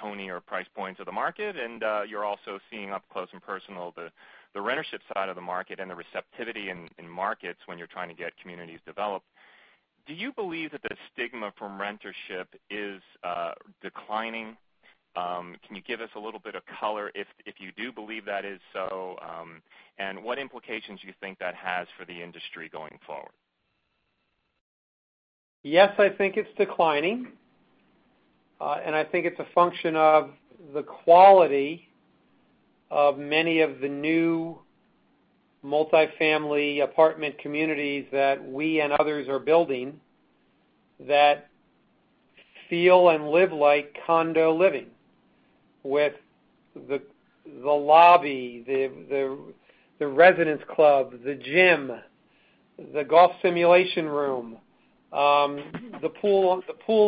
tonier price points of the market and you're also seeing up close and personal the rentership side of the market and the receptivity in markets when you're trying to get communities developed, do you believe that the stigma from rentership is declining? Can you give us a little bit of color if you do believe that is so? What implications do you think that has for the industry going forward? Yes, I think it's declining. I think it's a function of the quality of many of the new multi-family apartment communities that we and others are building that feel and live like condo living with the lobby, the residence club, the gym. The golf simulation room. The pool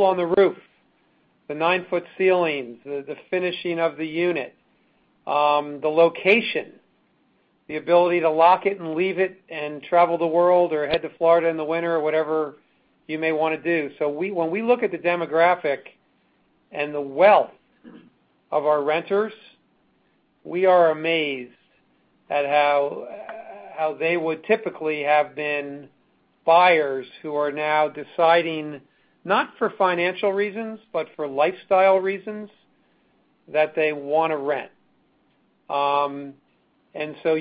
on the roof, the nine-foot ceilings, the finishing of the unit, the location, the ability to lock it and leave it and travel the world or head to Florida in the winter or whatever you may want to do. When we look at the demographic and the wealth of our renters, we are amazed at how they would typically have been buyers who are now deciding, not for financial reasons, but for lifestyle reasons, that they want to rent.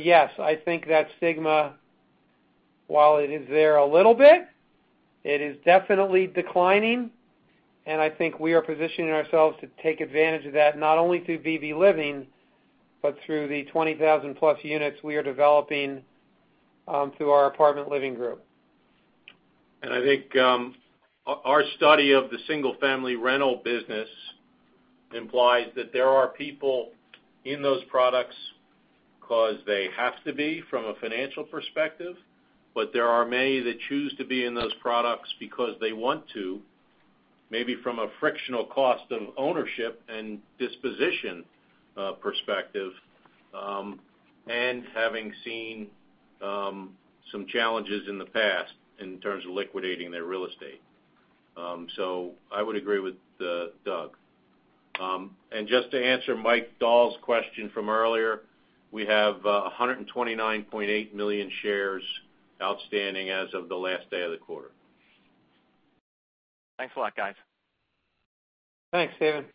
Yes, I think that stigma, while it is there a little bit, it is definitely declining, and I think we are positioning ourselves to take advantage of that, not only through BB Living, but through the 20,000+ units we are developing through our Apartment Living group. I think our study of the single-family rental business implies that there are people in those products because they have to be from a financial perspective, but there are many that choose to be in those products because they want to, maybe from a frictional cost of ownership and disposition perspective, and having seen some challenges in the past in terms of liquidating their real estate. I would agree with Doug. Just to answer Mike Dahl's question from earlier, we have 129.8 million shares outstanding as of the last day of the quarter. Thanks a lot, guys. Thanks, Stephen.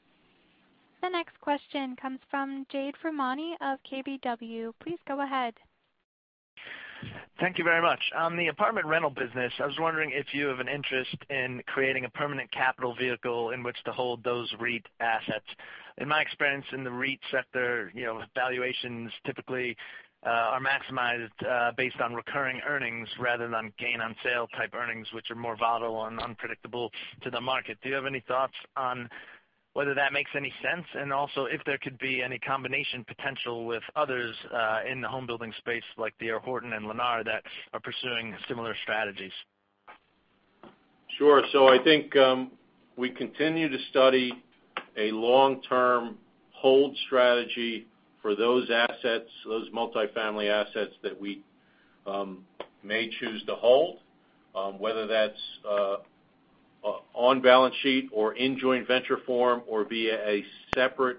The next question comes from Jade Rahmani of KBW. Please go ahead. Thank you very much. On the apartment rental business, I was wondering if you have an interest in creating a permanent capital vehicle in which to hold those REIT assets. In my experience in the REIT sector, valuations typically are maximized based on recurring earnings rather than gain-on-sale type earnings, which are more volatile and unpredictable to the market. Do you have any thoughts on whether that makes any sense? Also, if there could be any combination potential with others in the home building space like D.R. Horton and Lennar that are pursuing similar strategies. Sure. I think we continue to study a long-term hold strategy for those assets, those multi-family assets that we may choose to hold. Whether that's on balance sheet or in joint venture form or via a separate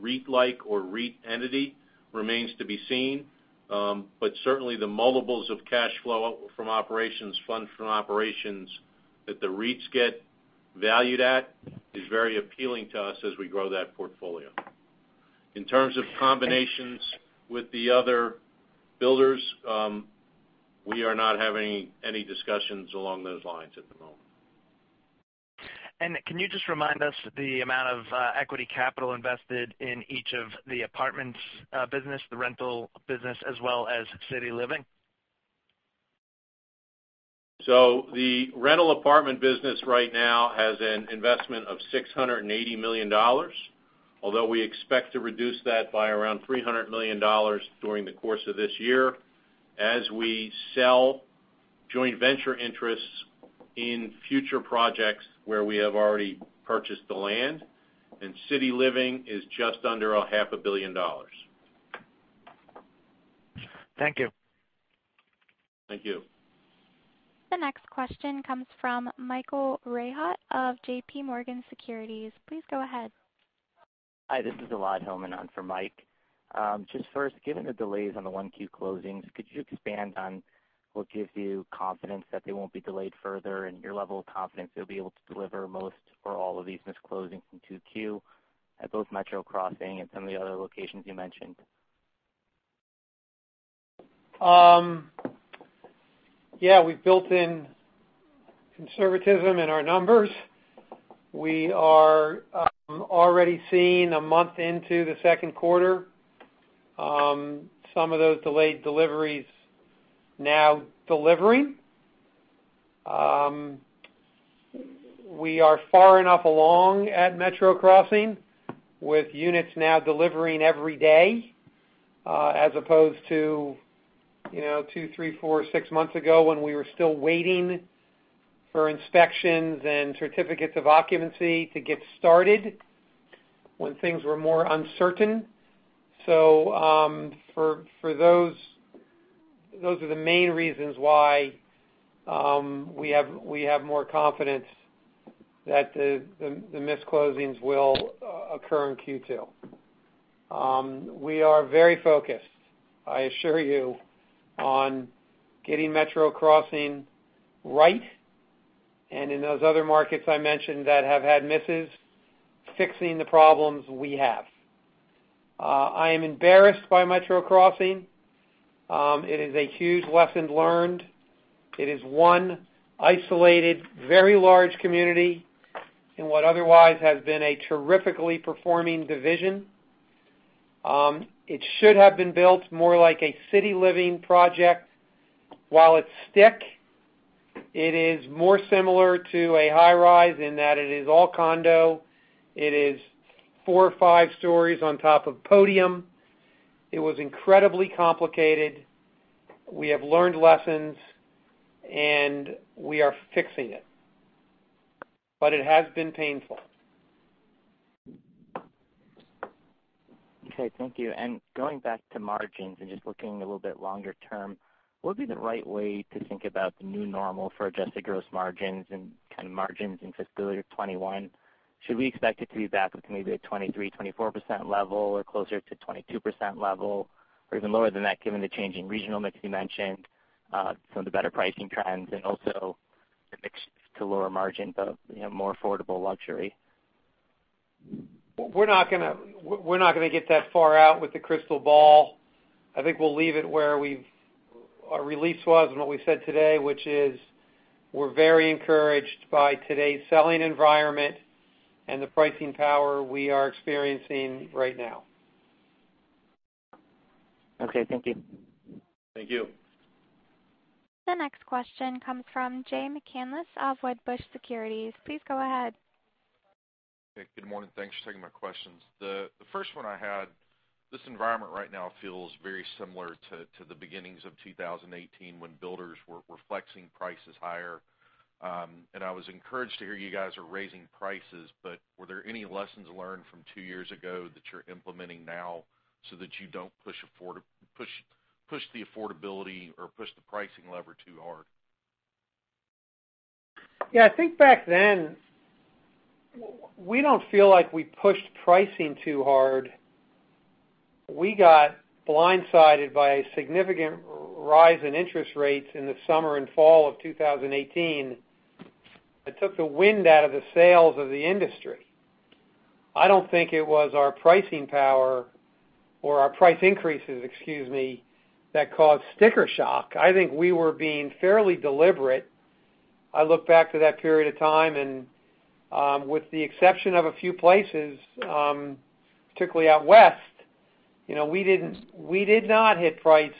REIT-like or REIT entity remains to be seen. Certainly, the multiples of cash flow from operations, funds from operations that the REITs get valued at is very appealing to us as we grow that portfolio. In terms of combinations with the other builders, we are not having any discussions along those lines at the moment. Can you just remind us the amount of equity capital invested in each of the apartments business, the rental business, as well as City Living? The rental apartment business right now has an investment of $680 million, although we expect to reduce that by around $300 million during the course of this year as we sell joint venture interests in future projects where we have already purchased the land, and City Living is just under a $500 million. Thank you. Thank you. The next question comes from Michael Rehaut of JPMorgan Securities. Please go ahead. Hi, this is Elad Hillman on for Mike. Just first, given the delays on the 1Q closings, could you expand on what gives you confidence that they won't be delayed further and your level of confidence you'll be able to deliver most or all of these missed closings in 2Q at both Metro Crossing and some of the other locations you mentioned? We've built in conservatism in our numbers. We are already seeing a month into the second quarter, some of those delayed deliveries now delivering. We are far enough along at Metro Crossing, with units now delivering every day, as opposed to two, three, four, six months ago when we were still waiting for inspections and certificates of occupancy to get started, when things were more uncertain. Those are the main reasons why we have more confidence that the missed closings will occur in Q2. We are very focused, I assure you, on getting Metro Crossing right. In those other markets I mentioned that have had misses, fixing the problems we have. I am embarrassed by Metro Crossing. It is a huge lesson learned. It is one isolated, very large community in what otherwise has been a terrifically performing division. It should have been built more like a City Living project. While it stick, it is more similar to a high-rise in that it is all condo. It is four or five stories on top of podium. It was incredibly complicated. We have learned lessons. We are fixing it. It has been painful. Okay, thank you. Going back to margins and just looking a little bit longer term, what would be the right way to think about the new normal for adjusted gross margins and kind of margins in fiscal year 2021? Should we expect it to be back with maybe a 23%-24% level or closer to 22% level, or even lower than that, given the change in regional mix you mentioned, some of the better pricing trends, and also the mix to lower margin, the more affordable luxury? We're not going to get that far out with the crystal ball. I think we'll leave it where our release was and what we said today, which is we're very encouraged by today's selling environment and the pricing power we are experiencing right now. Okay, thank you. Thank you. The next question comes from Jay McCanless of Wedbush Securities. Please go ahead. Okay. Good morning. Thanks for taking my questions. The first one I had, this environment right now feels very similar to the beginnings of 2018, when builders were flexing prices higher. I was encouraged to hear you guys are raising prices, but were there any lessons learned from two years ago that you're implementing now so that you don't push the affordability or push the pricing lever too hard? Yeah, I think back then, we don't feel like we pushed pricing too hard. We got blindsided by a significant rise in interest rates in the summer and fall of 2018 that took the wind out of the sails of the industry. I don't think it was our pricing power or our price increases, excuse me, that caused sticker shock. I think we were being fairly deliberate. I look back to that period of time, with the exception of a few places, particularly out West, we did not hit price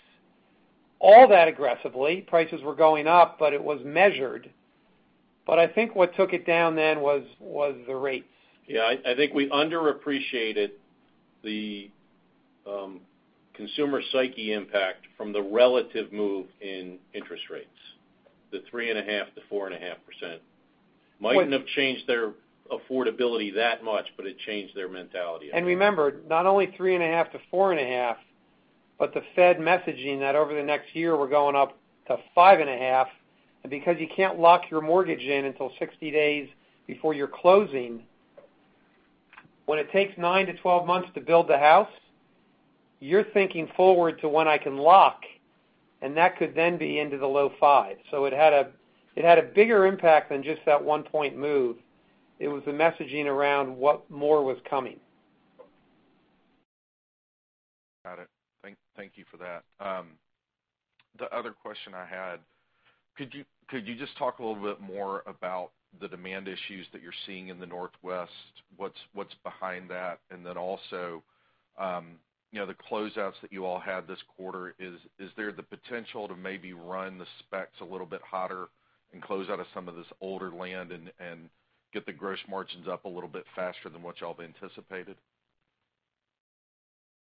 all that aggressively. Prices were going up, it was measured. I think what took it down then was the rates. Yeah, I think we underappreciated the consumer psyche impact from the relative move in interest rates. The 3.5%-4.5% mightn't have changed their affordability that much, it changed their mentality, I think. Remember, not only 3.5%-4.5%, but the Fed messaging that over the next year we're going up to 5.5%. Because you can't lock your mortgage in until 60 days before you're closing, when it takes 9-12 months to build the house, you're thinking forward to when I can lock, and that could then be into the low 5%. It had a bigger impact than just that 1 point move. It was the messaging around what more was coming. Got it. Thank you for that. The other question I had, could you just talk a little bit more about the demand issues that you're seeing in the northwest? What's behind that? Also, the closeouts that you all had this quarter, is there the potential to maybe run the specs a little bit hotter and close out of some of this older land and get the gross margins up a little bit faster than what y'all have anticipated?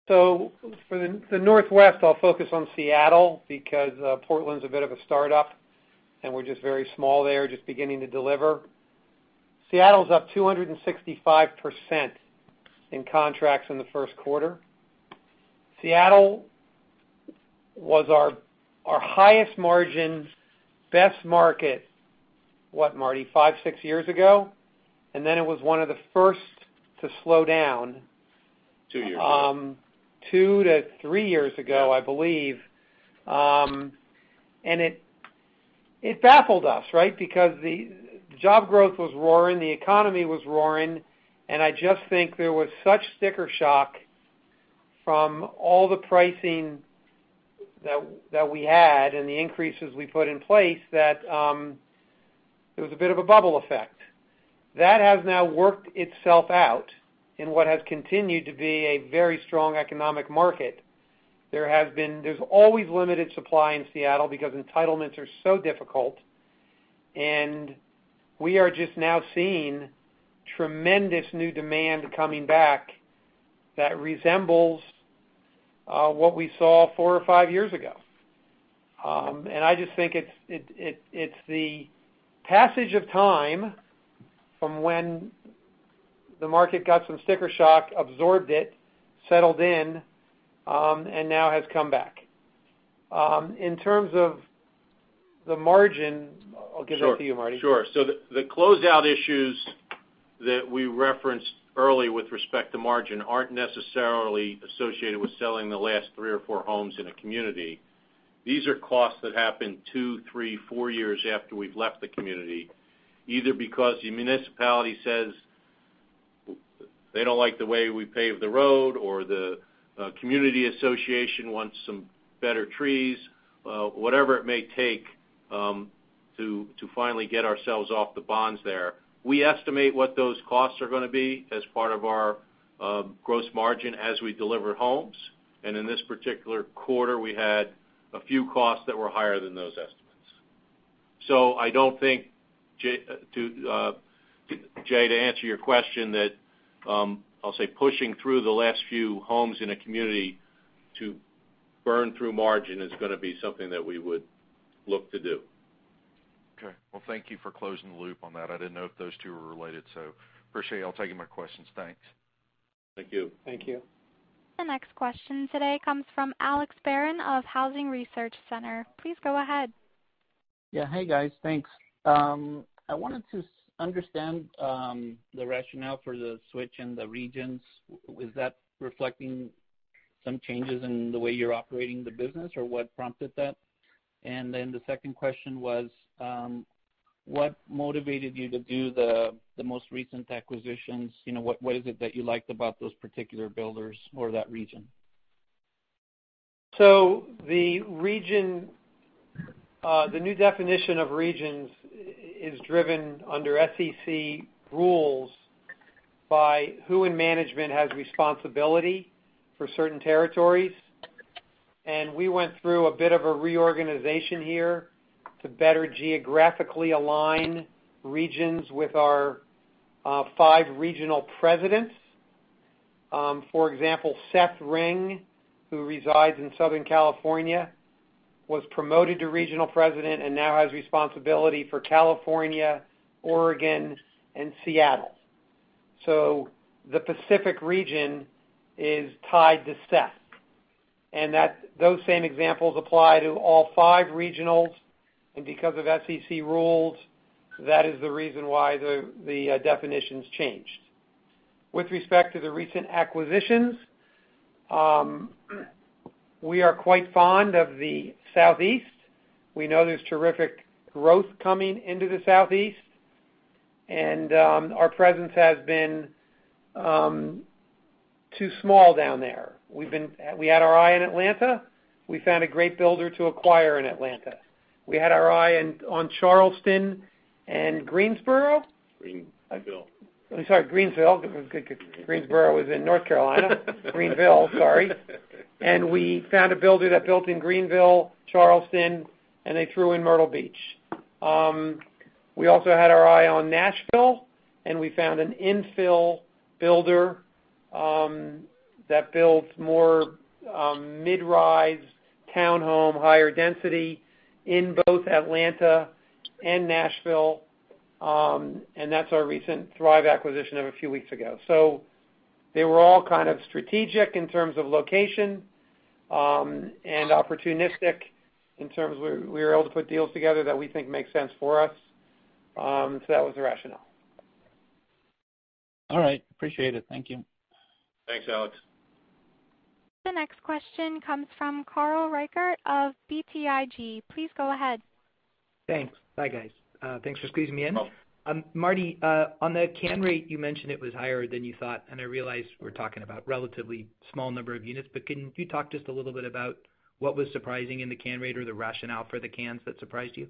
For the Northwest, I'll focus on Seattle because Portland's a bit of a startup, and we're just very small there, just beginning to deliver. Seattle's up 265% in contracts in the first quarter. Seattle was our highest margin, best market, what, Marty? Five, six years ago? Then it was one of the first to slow down. Two years ago. Two to three years ago. Yeah I believe. It baffled us, right? Because the job growth was roaring, the economy was roaring, and I just think there was such sticker shock from all the pricing that we had and the increases we put in place that there was a bit of a bubble effect. That has now worked itself out in what has continued to be a very strong economic market. There's always limited supply in Seattle because entitlements are so difficult, and we are just now seeing tremendous new demand coming back that resembles what we saw four or five years ago. I just think it's the passage of time from when the market got some sticker shock, absorbed it, settled in, and now has come back. In terms of the margin, I'll give that to you, Marty. Sure. The closeout issues that we referenced early with respect to margin aren't necessarily associated with selling the last three or four homes in a community. These are costs that happen two, three, four years after we've left the community, either because the municipality says they don't like the way we paved the road, or the community association wants some better trees, whatever it may take to finally get ourselves off the bonds there. We estimate what those costs are going to be as part of our gross margin as we deliver homes. In this particular quarter, we had a few costs that were higher than those estimates. I don't think, Jay, to answer your question, that I'll say pushing through the last few homes in a community to burn through margin is going to be something that we would look to do. Okay. Well, thank you for closing the loop on that. I didn't know if those two were related, so appreciate y'all taking my questions. Thanks. Thank you. Thank you. The next question today comes from Alex Barron of Housing Research Center. Please go ahead. Yeah. Hey, guys. Thanks. I wanted to understand the rationale for the switch in the regions. Was that reflecting some changes in the way you're operating the business, or what prompted that? The second question was, what motivated you to do the most recent acquisitions? What is it that you liked about those particular builders or that region? The new definition of regions is driven under SEC rules by who in management has responsibility for certain territories. We went through a bit of a reorganization here to better geographically align regions with our five regional presidents. For example, Seth Ring, who resides in Southern California, was promoted to regional president and now has responsibility for California, Oregon, and Seattle. The Pacific region is tied to Seth, and those same examples apply to all five regionals, and because of SEC rules, that is the reason why the definitions changed. With respect to the recent acquisitions, we are quite fond of the Southeast. We know there's terrific growth coming into the Southeast, and our presence has been too small down there. We had our eye on Atlanta. We found a great builder to acquire in Atlanta. We had our eye on Charleston and Greenville. Greensville. I'm sorry, Greenville. Greensboro is in North Carolina. Greenville, sorry. We found a builder that built in Greenville, Charleston, and they threw in Myrtle Beach. We also had our eye on Nashville, we found an infill builder that builds more mid-rise town home, higher density in both Atlanta and Nashville. That's our recent Thrive acquisition of a few weeks ago. They were all kind of strategic in terms of location, and opportunistic in terms of we were able to put deals together that we think make sense for us. That was the rationale. All right. Appreciate it. Thank you. Thanks, Alex. The next question comes from Carl Reichardt of BTIG. Please go ahead. Thanks. Hi, guys. Thanks for squeezing me in. Welcome. Marty, on the cancellation rate, you mentioned it was higher than you thought, and I realize we're talking about relatively small number of units, but can you talk just a little bit about what was surprising in the cancellation rate or the rationale for the cans that surprised you?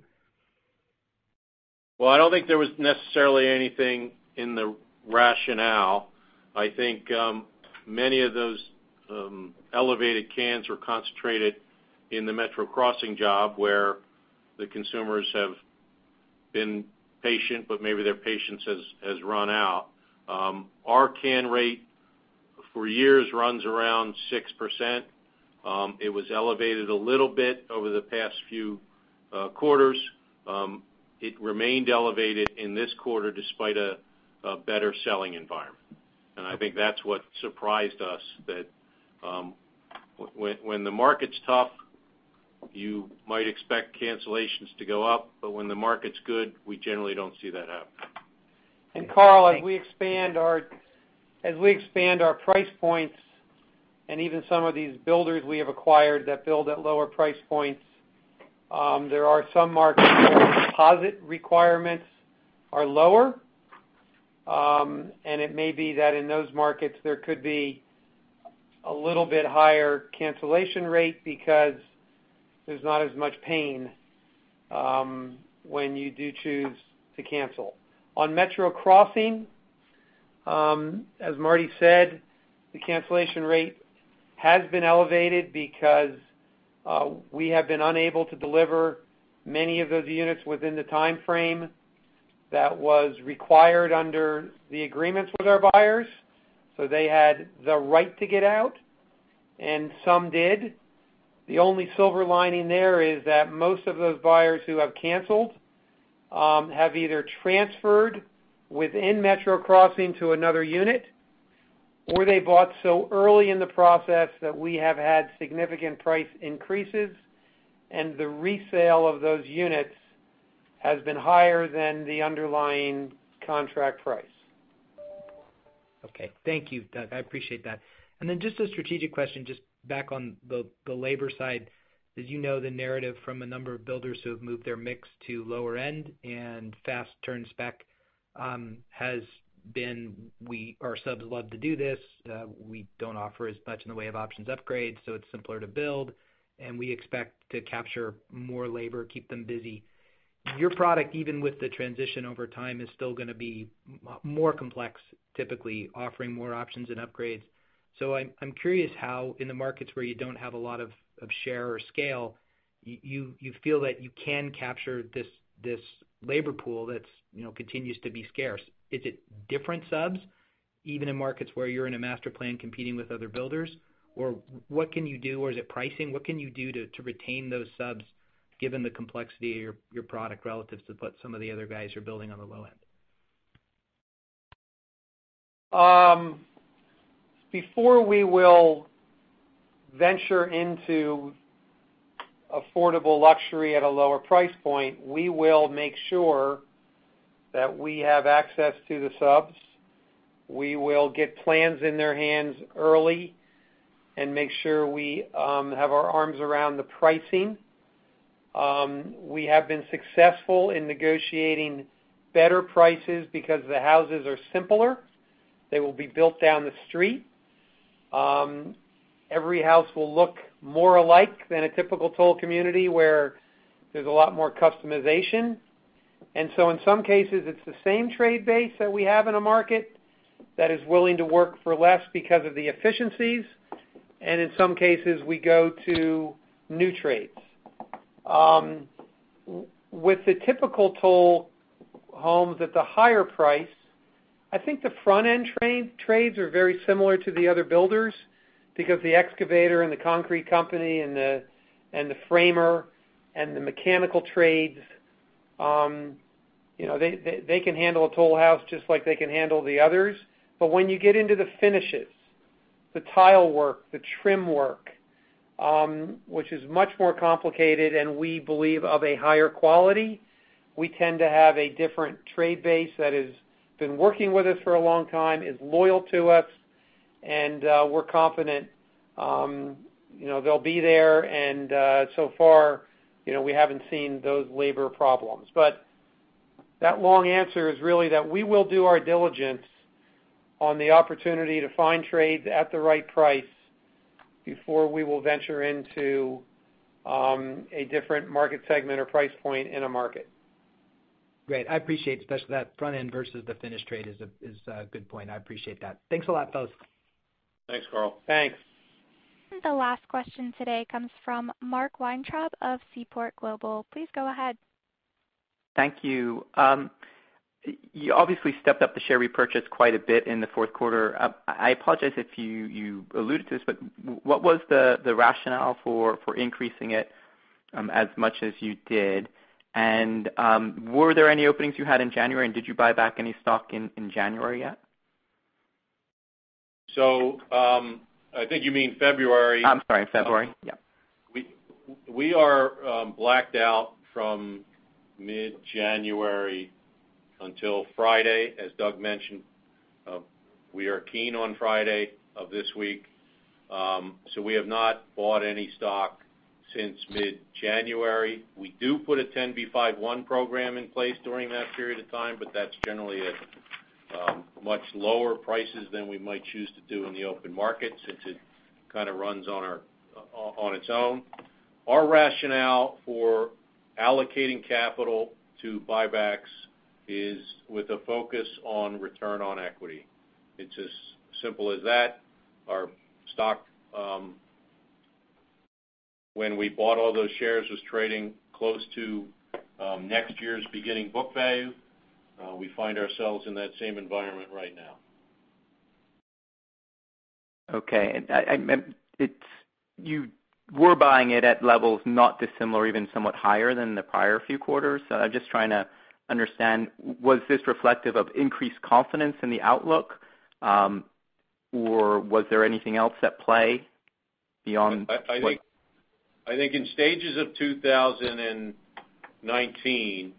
Well, I don't think there was necessarily anything in the rationale. I think many of those elevated cans were concentrated in the Metro Crossing job where the consumers have been patient, but maybe their patience has run out. Our cancellation rate for years runs around 6%. It was elevated a little bit over the past few quarters. It remained elevated in this quarter despite a better selling environment. I think that's what surprised us, that when the market's tough, you might expect cancellations to go up, but when the market's good, we generally don't see that happen. Carl, as we expand our price points and even some of these builders we have acquired that build at lower price points, there are some markets where deposit requirements are lower. It may be that in those markets, there could be a little bit higher cancellation rate because there's not as much pain when you do choose to cancel. On Metro Crossing, as Marty said, the cancellation rate has been elevated because we have been unable to deliver many of those units within the timeframe that was required under the agreements with our buyers. They had the right to get out, and some did. The only silver lining there is that most of those buyers who have canceled have either transferred within Metro Crossing to another unit, or they bought so early in the process that we have had significant price increases, and the resale of those units has been higher than the underlying contract price. Okay. Thank you, Doug. I appreciate that. Then just a strategic question, just back on the labor side. As you know, the narrative from a number of builders who have moved their mix to lower end and fast turn spec has been, our subs love to do this. We don't offer as much in the way of options upgrades, so it's simpler to build, and we expect to capture more labor, keep them busy. Your product, even with the transition over time, is still going to be more complex, typically offering more options and upgrades. I'm curious how, in the markets where you don't have a lot of share or scale, you feel that you can capture this labor pool that continues to be scarce. Is it different subs, even in markets where you're in a master plan competing with other builders? What can you do, or is it pricing? What can you do to retain those subs given the complexity of your product relative to what some of the other guys are building on the low end? Before we will venture into affordable luxury at a lower price point, we will make sure that we have access to the subs. We will get plans in their hands early and make sure we have our arms around the pricing. We have been successful in negotiating better prices because the houses are simpler. They will be built down the street. Every house will look more alike than a typical Toll community, where there's a lot more customization. In some cases, it's the same trade base that we have in a market that is willing to work for less because of the efficiencies. In some cases, we go to new trades. With the typical Toll homes at the higher price, I think the front-end trades are very similar to the other builders because the excavator and the concrete company and the framer and the mechanical trades can handle a Toll house just like they can handle the others. When you get into the finishes, the tile work, the trim work, which is much more complicated and we believe of a higher quality, we tend to have a different trade base that has been working with us for a long time, is loyal to us, and we're confident they'll be there. So far, we haven't seen those labor problems. That long answer is really that we will do our diligence on the opportunity to find trades at the right price before we will venture into a different market segment or price point in a market. Great. I appreciate, especially that front end versus the finish trade is a good point. I appreciate that. Thanks a lot, folks. Thanks, Carl. Thanks. The last question today comes from Mark Weintraub of Seaport Global. Please go ahead. Thank you. You obviously stepped up the share repurchase quite a bit in the fourth quarter. I apologize if you alluded to this, but what was the rationale for increasing it as much as you did? Were there any openings you had in January, and did you buy back any stock in January yet? I think you mean February. I'm sorry, February. Yeah. We are blacked out from mid-January until Friday. As Doug mentioned, we are keen on Friday of this week. We have not bought any stock since mid-January. We do put a 10b5-1 program in place during that period of time, but that's generally at much lower prices than we might choose to do in the open market, since it kind of runs on its own. Our rationale for allocating capital to buybacks is with a focus on return on equity. It's as simple as that. Our stock, when we bought all those shares, was trading close to next year's beginning book value. We find ourselves in that same environment right now. Okay. You were buying it at levels not dissimilar, even somewhat higher than the prior few quarters. I'm just trying to understand, was this reflective of increased confidence in the outlook? Was there anything else at play? I think in stages of 2019,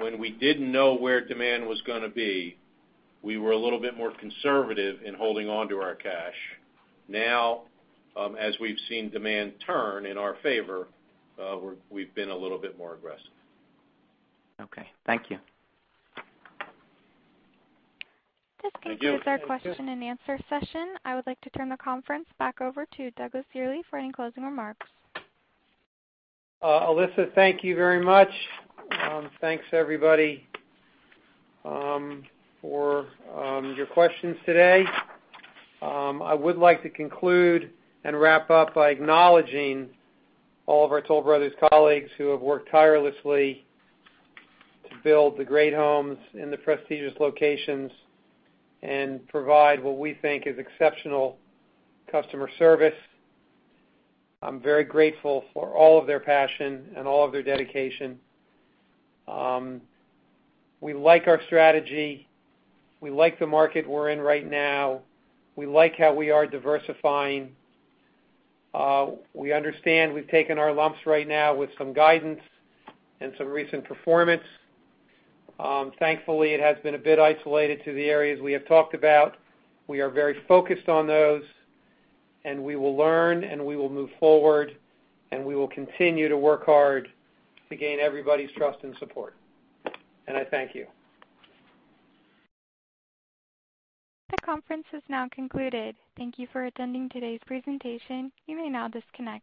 when we didn't know where demand was going to be, we were a little bit more conservative in holding onto our cash. Now, as we've seen demand turn in our favor, we've been a little bit more aggressive. Okay. Thank you. This concludes our question and answer session. I would like to turn the conference back over to Douglas Yearley for any closing remarks. Alyssa, thank you very much. Thanks everybody for your questions today. I would like to conclude and wrap up by acknowledging all of our Toll Brothers colleagues who have worked tirelessly to build the great homes in the prestigious locations and provide what we think is exceptional customer service. I'm very grateful for all of their passion and all of their dedication. We like our strategy. We like the market we're in right now. We like how we are diversifying. We understand we've taken our lumps right now with some guidance and some recent performance. Thankfully, it has been a bit isolated to the areas we have talked about. We are very focused on those, and we will learn, and we will move forward, and we will continue to work hard to gain everybody's trust and support. I thank you. The conference is now concluded. Thank you for attending today's presentation. You may now disconnect.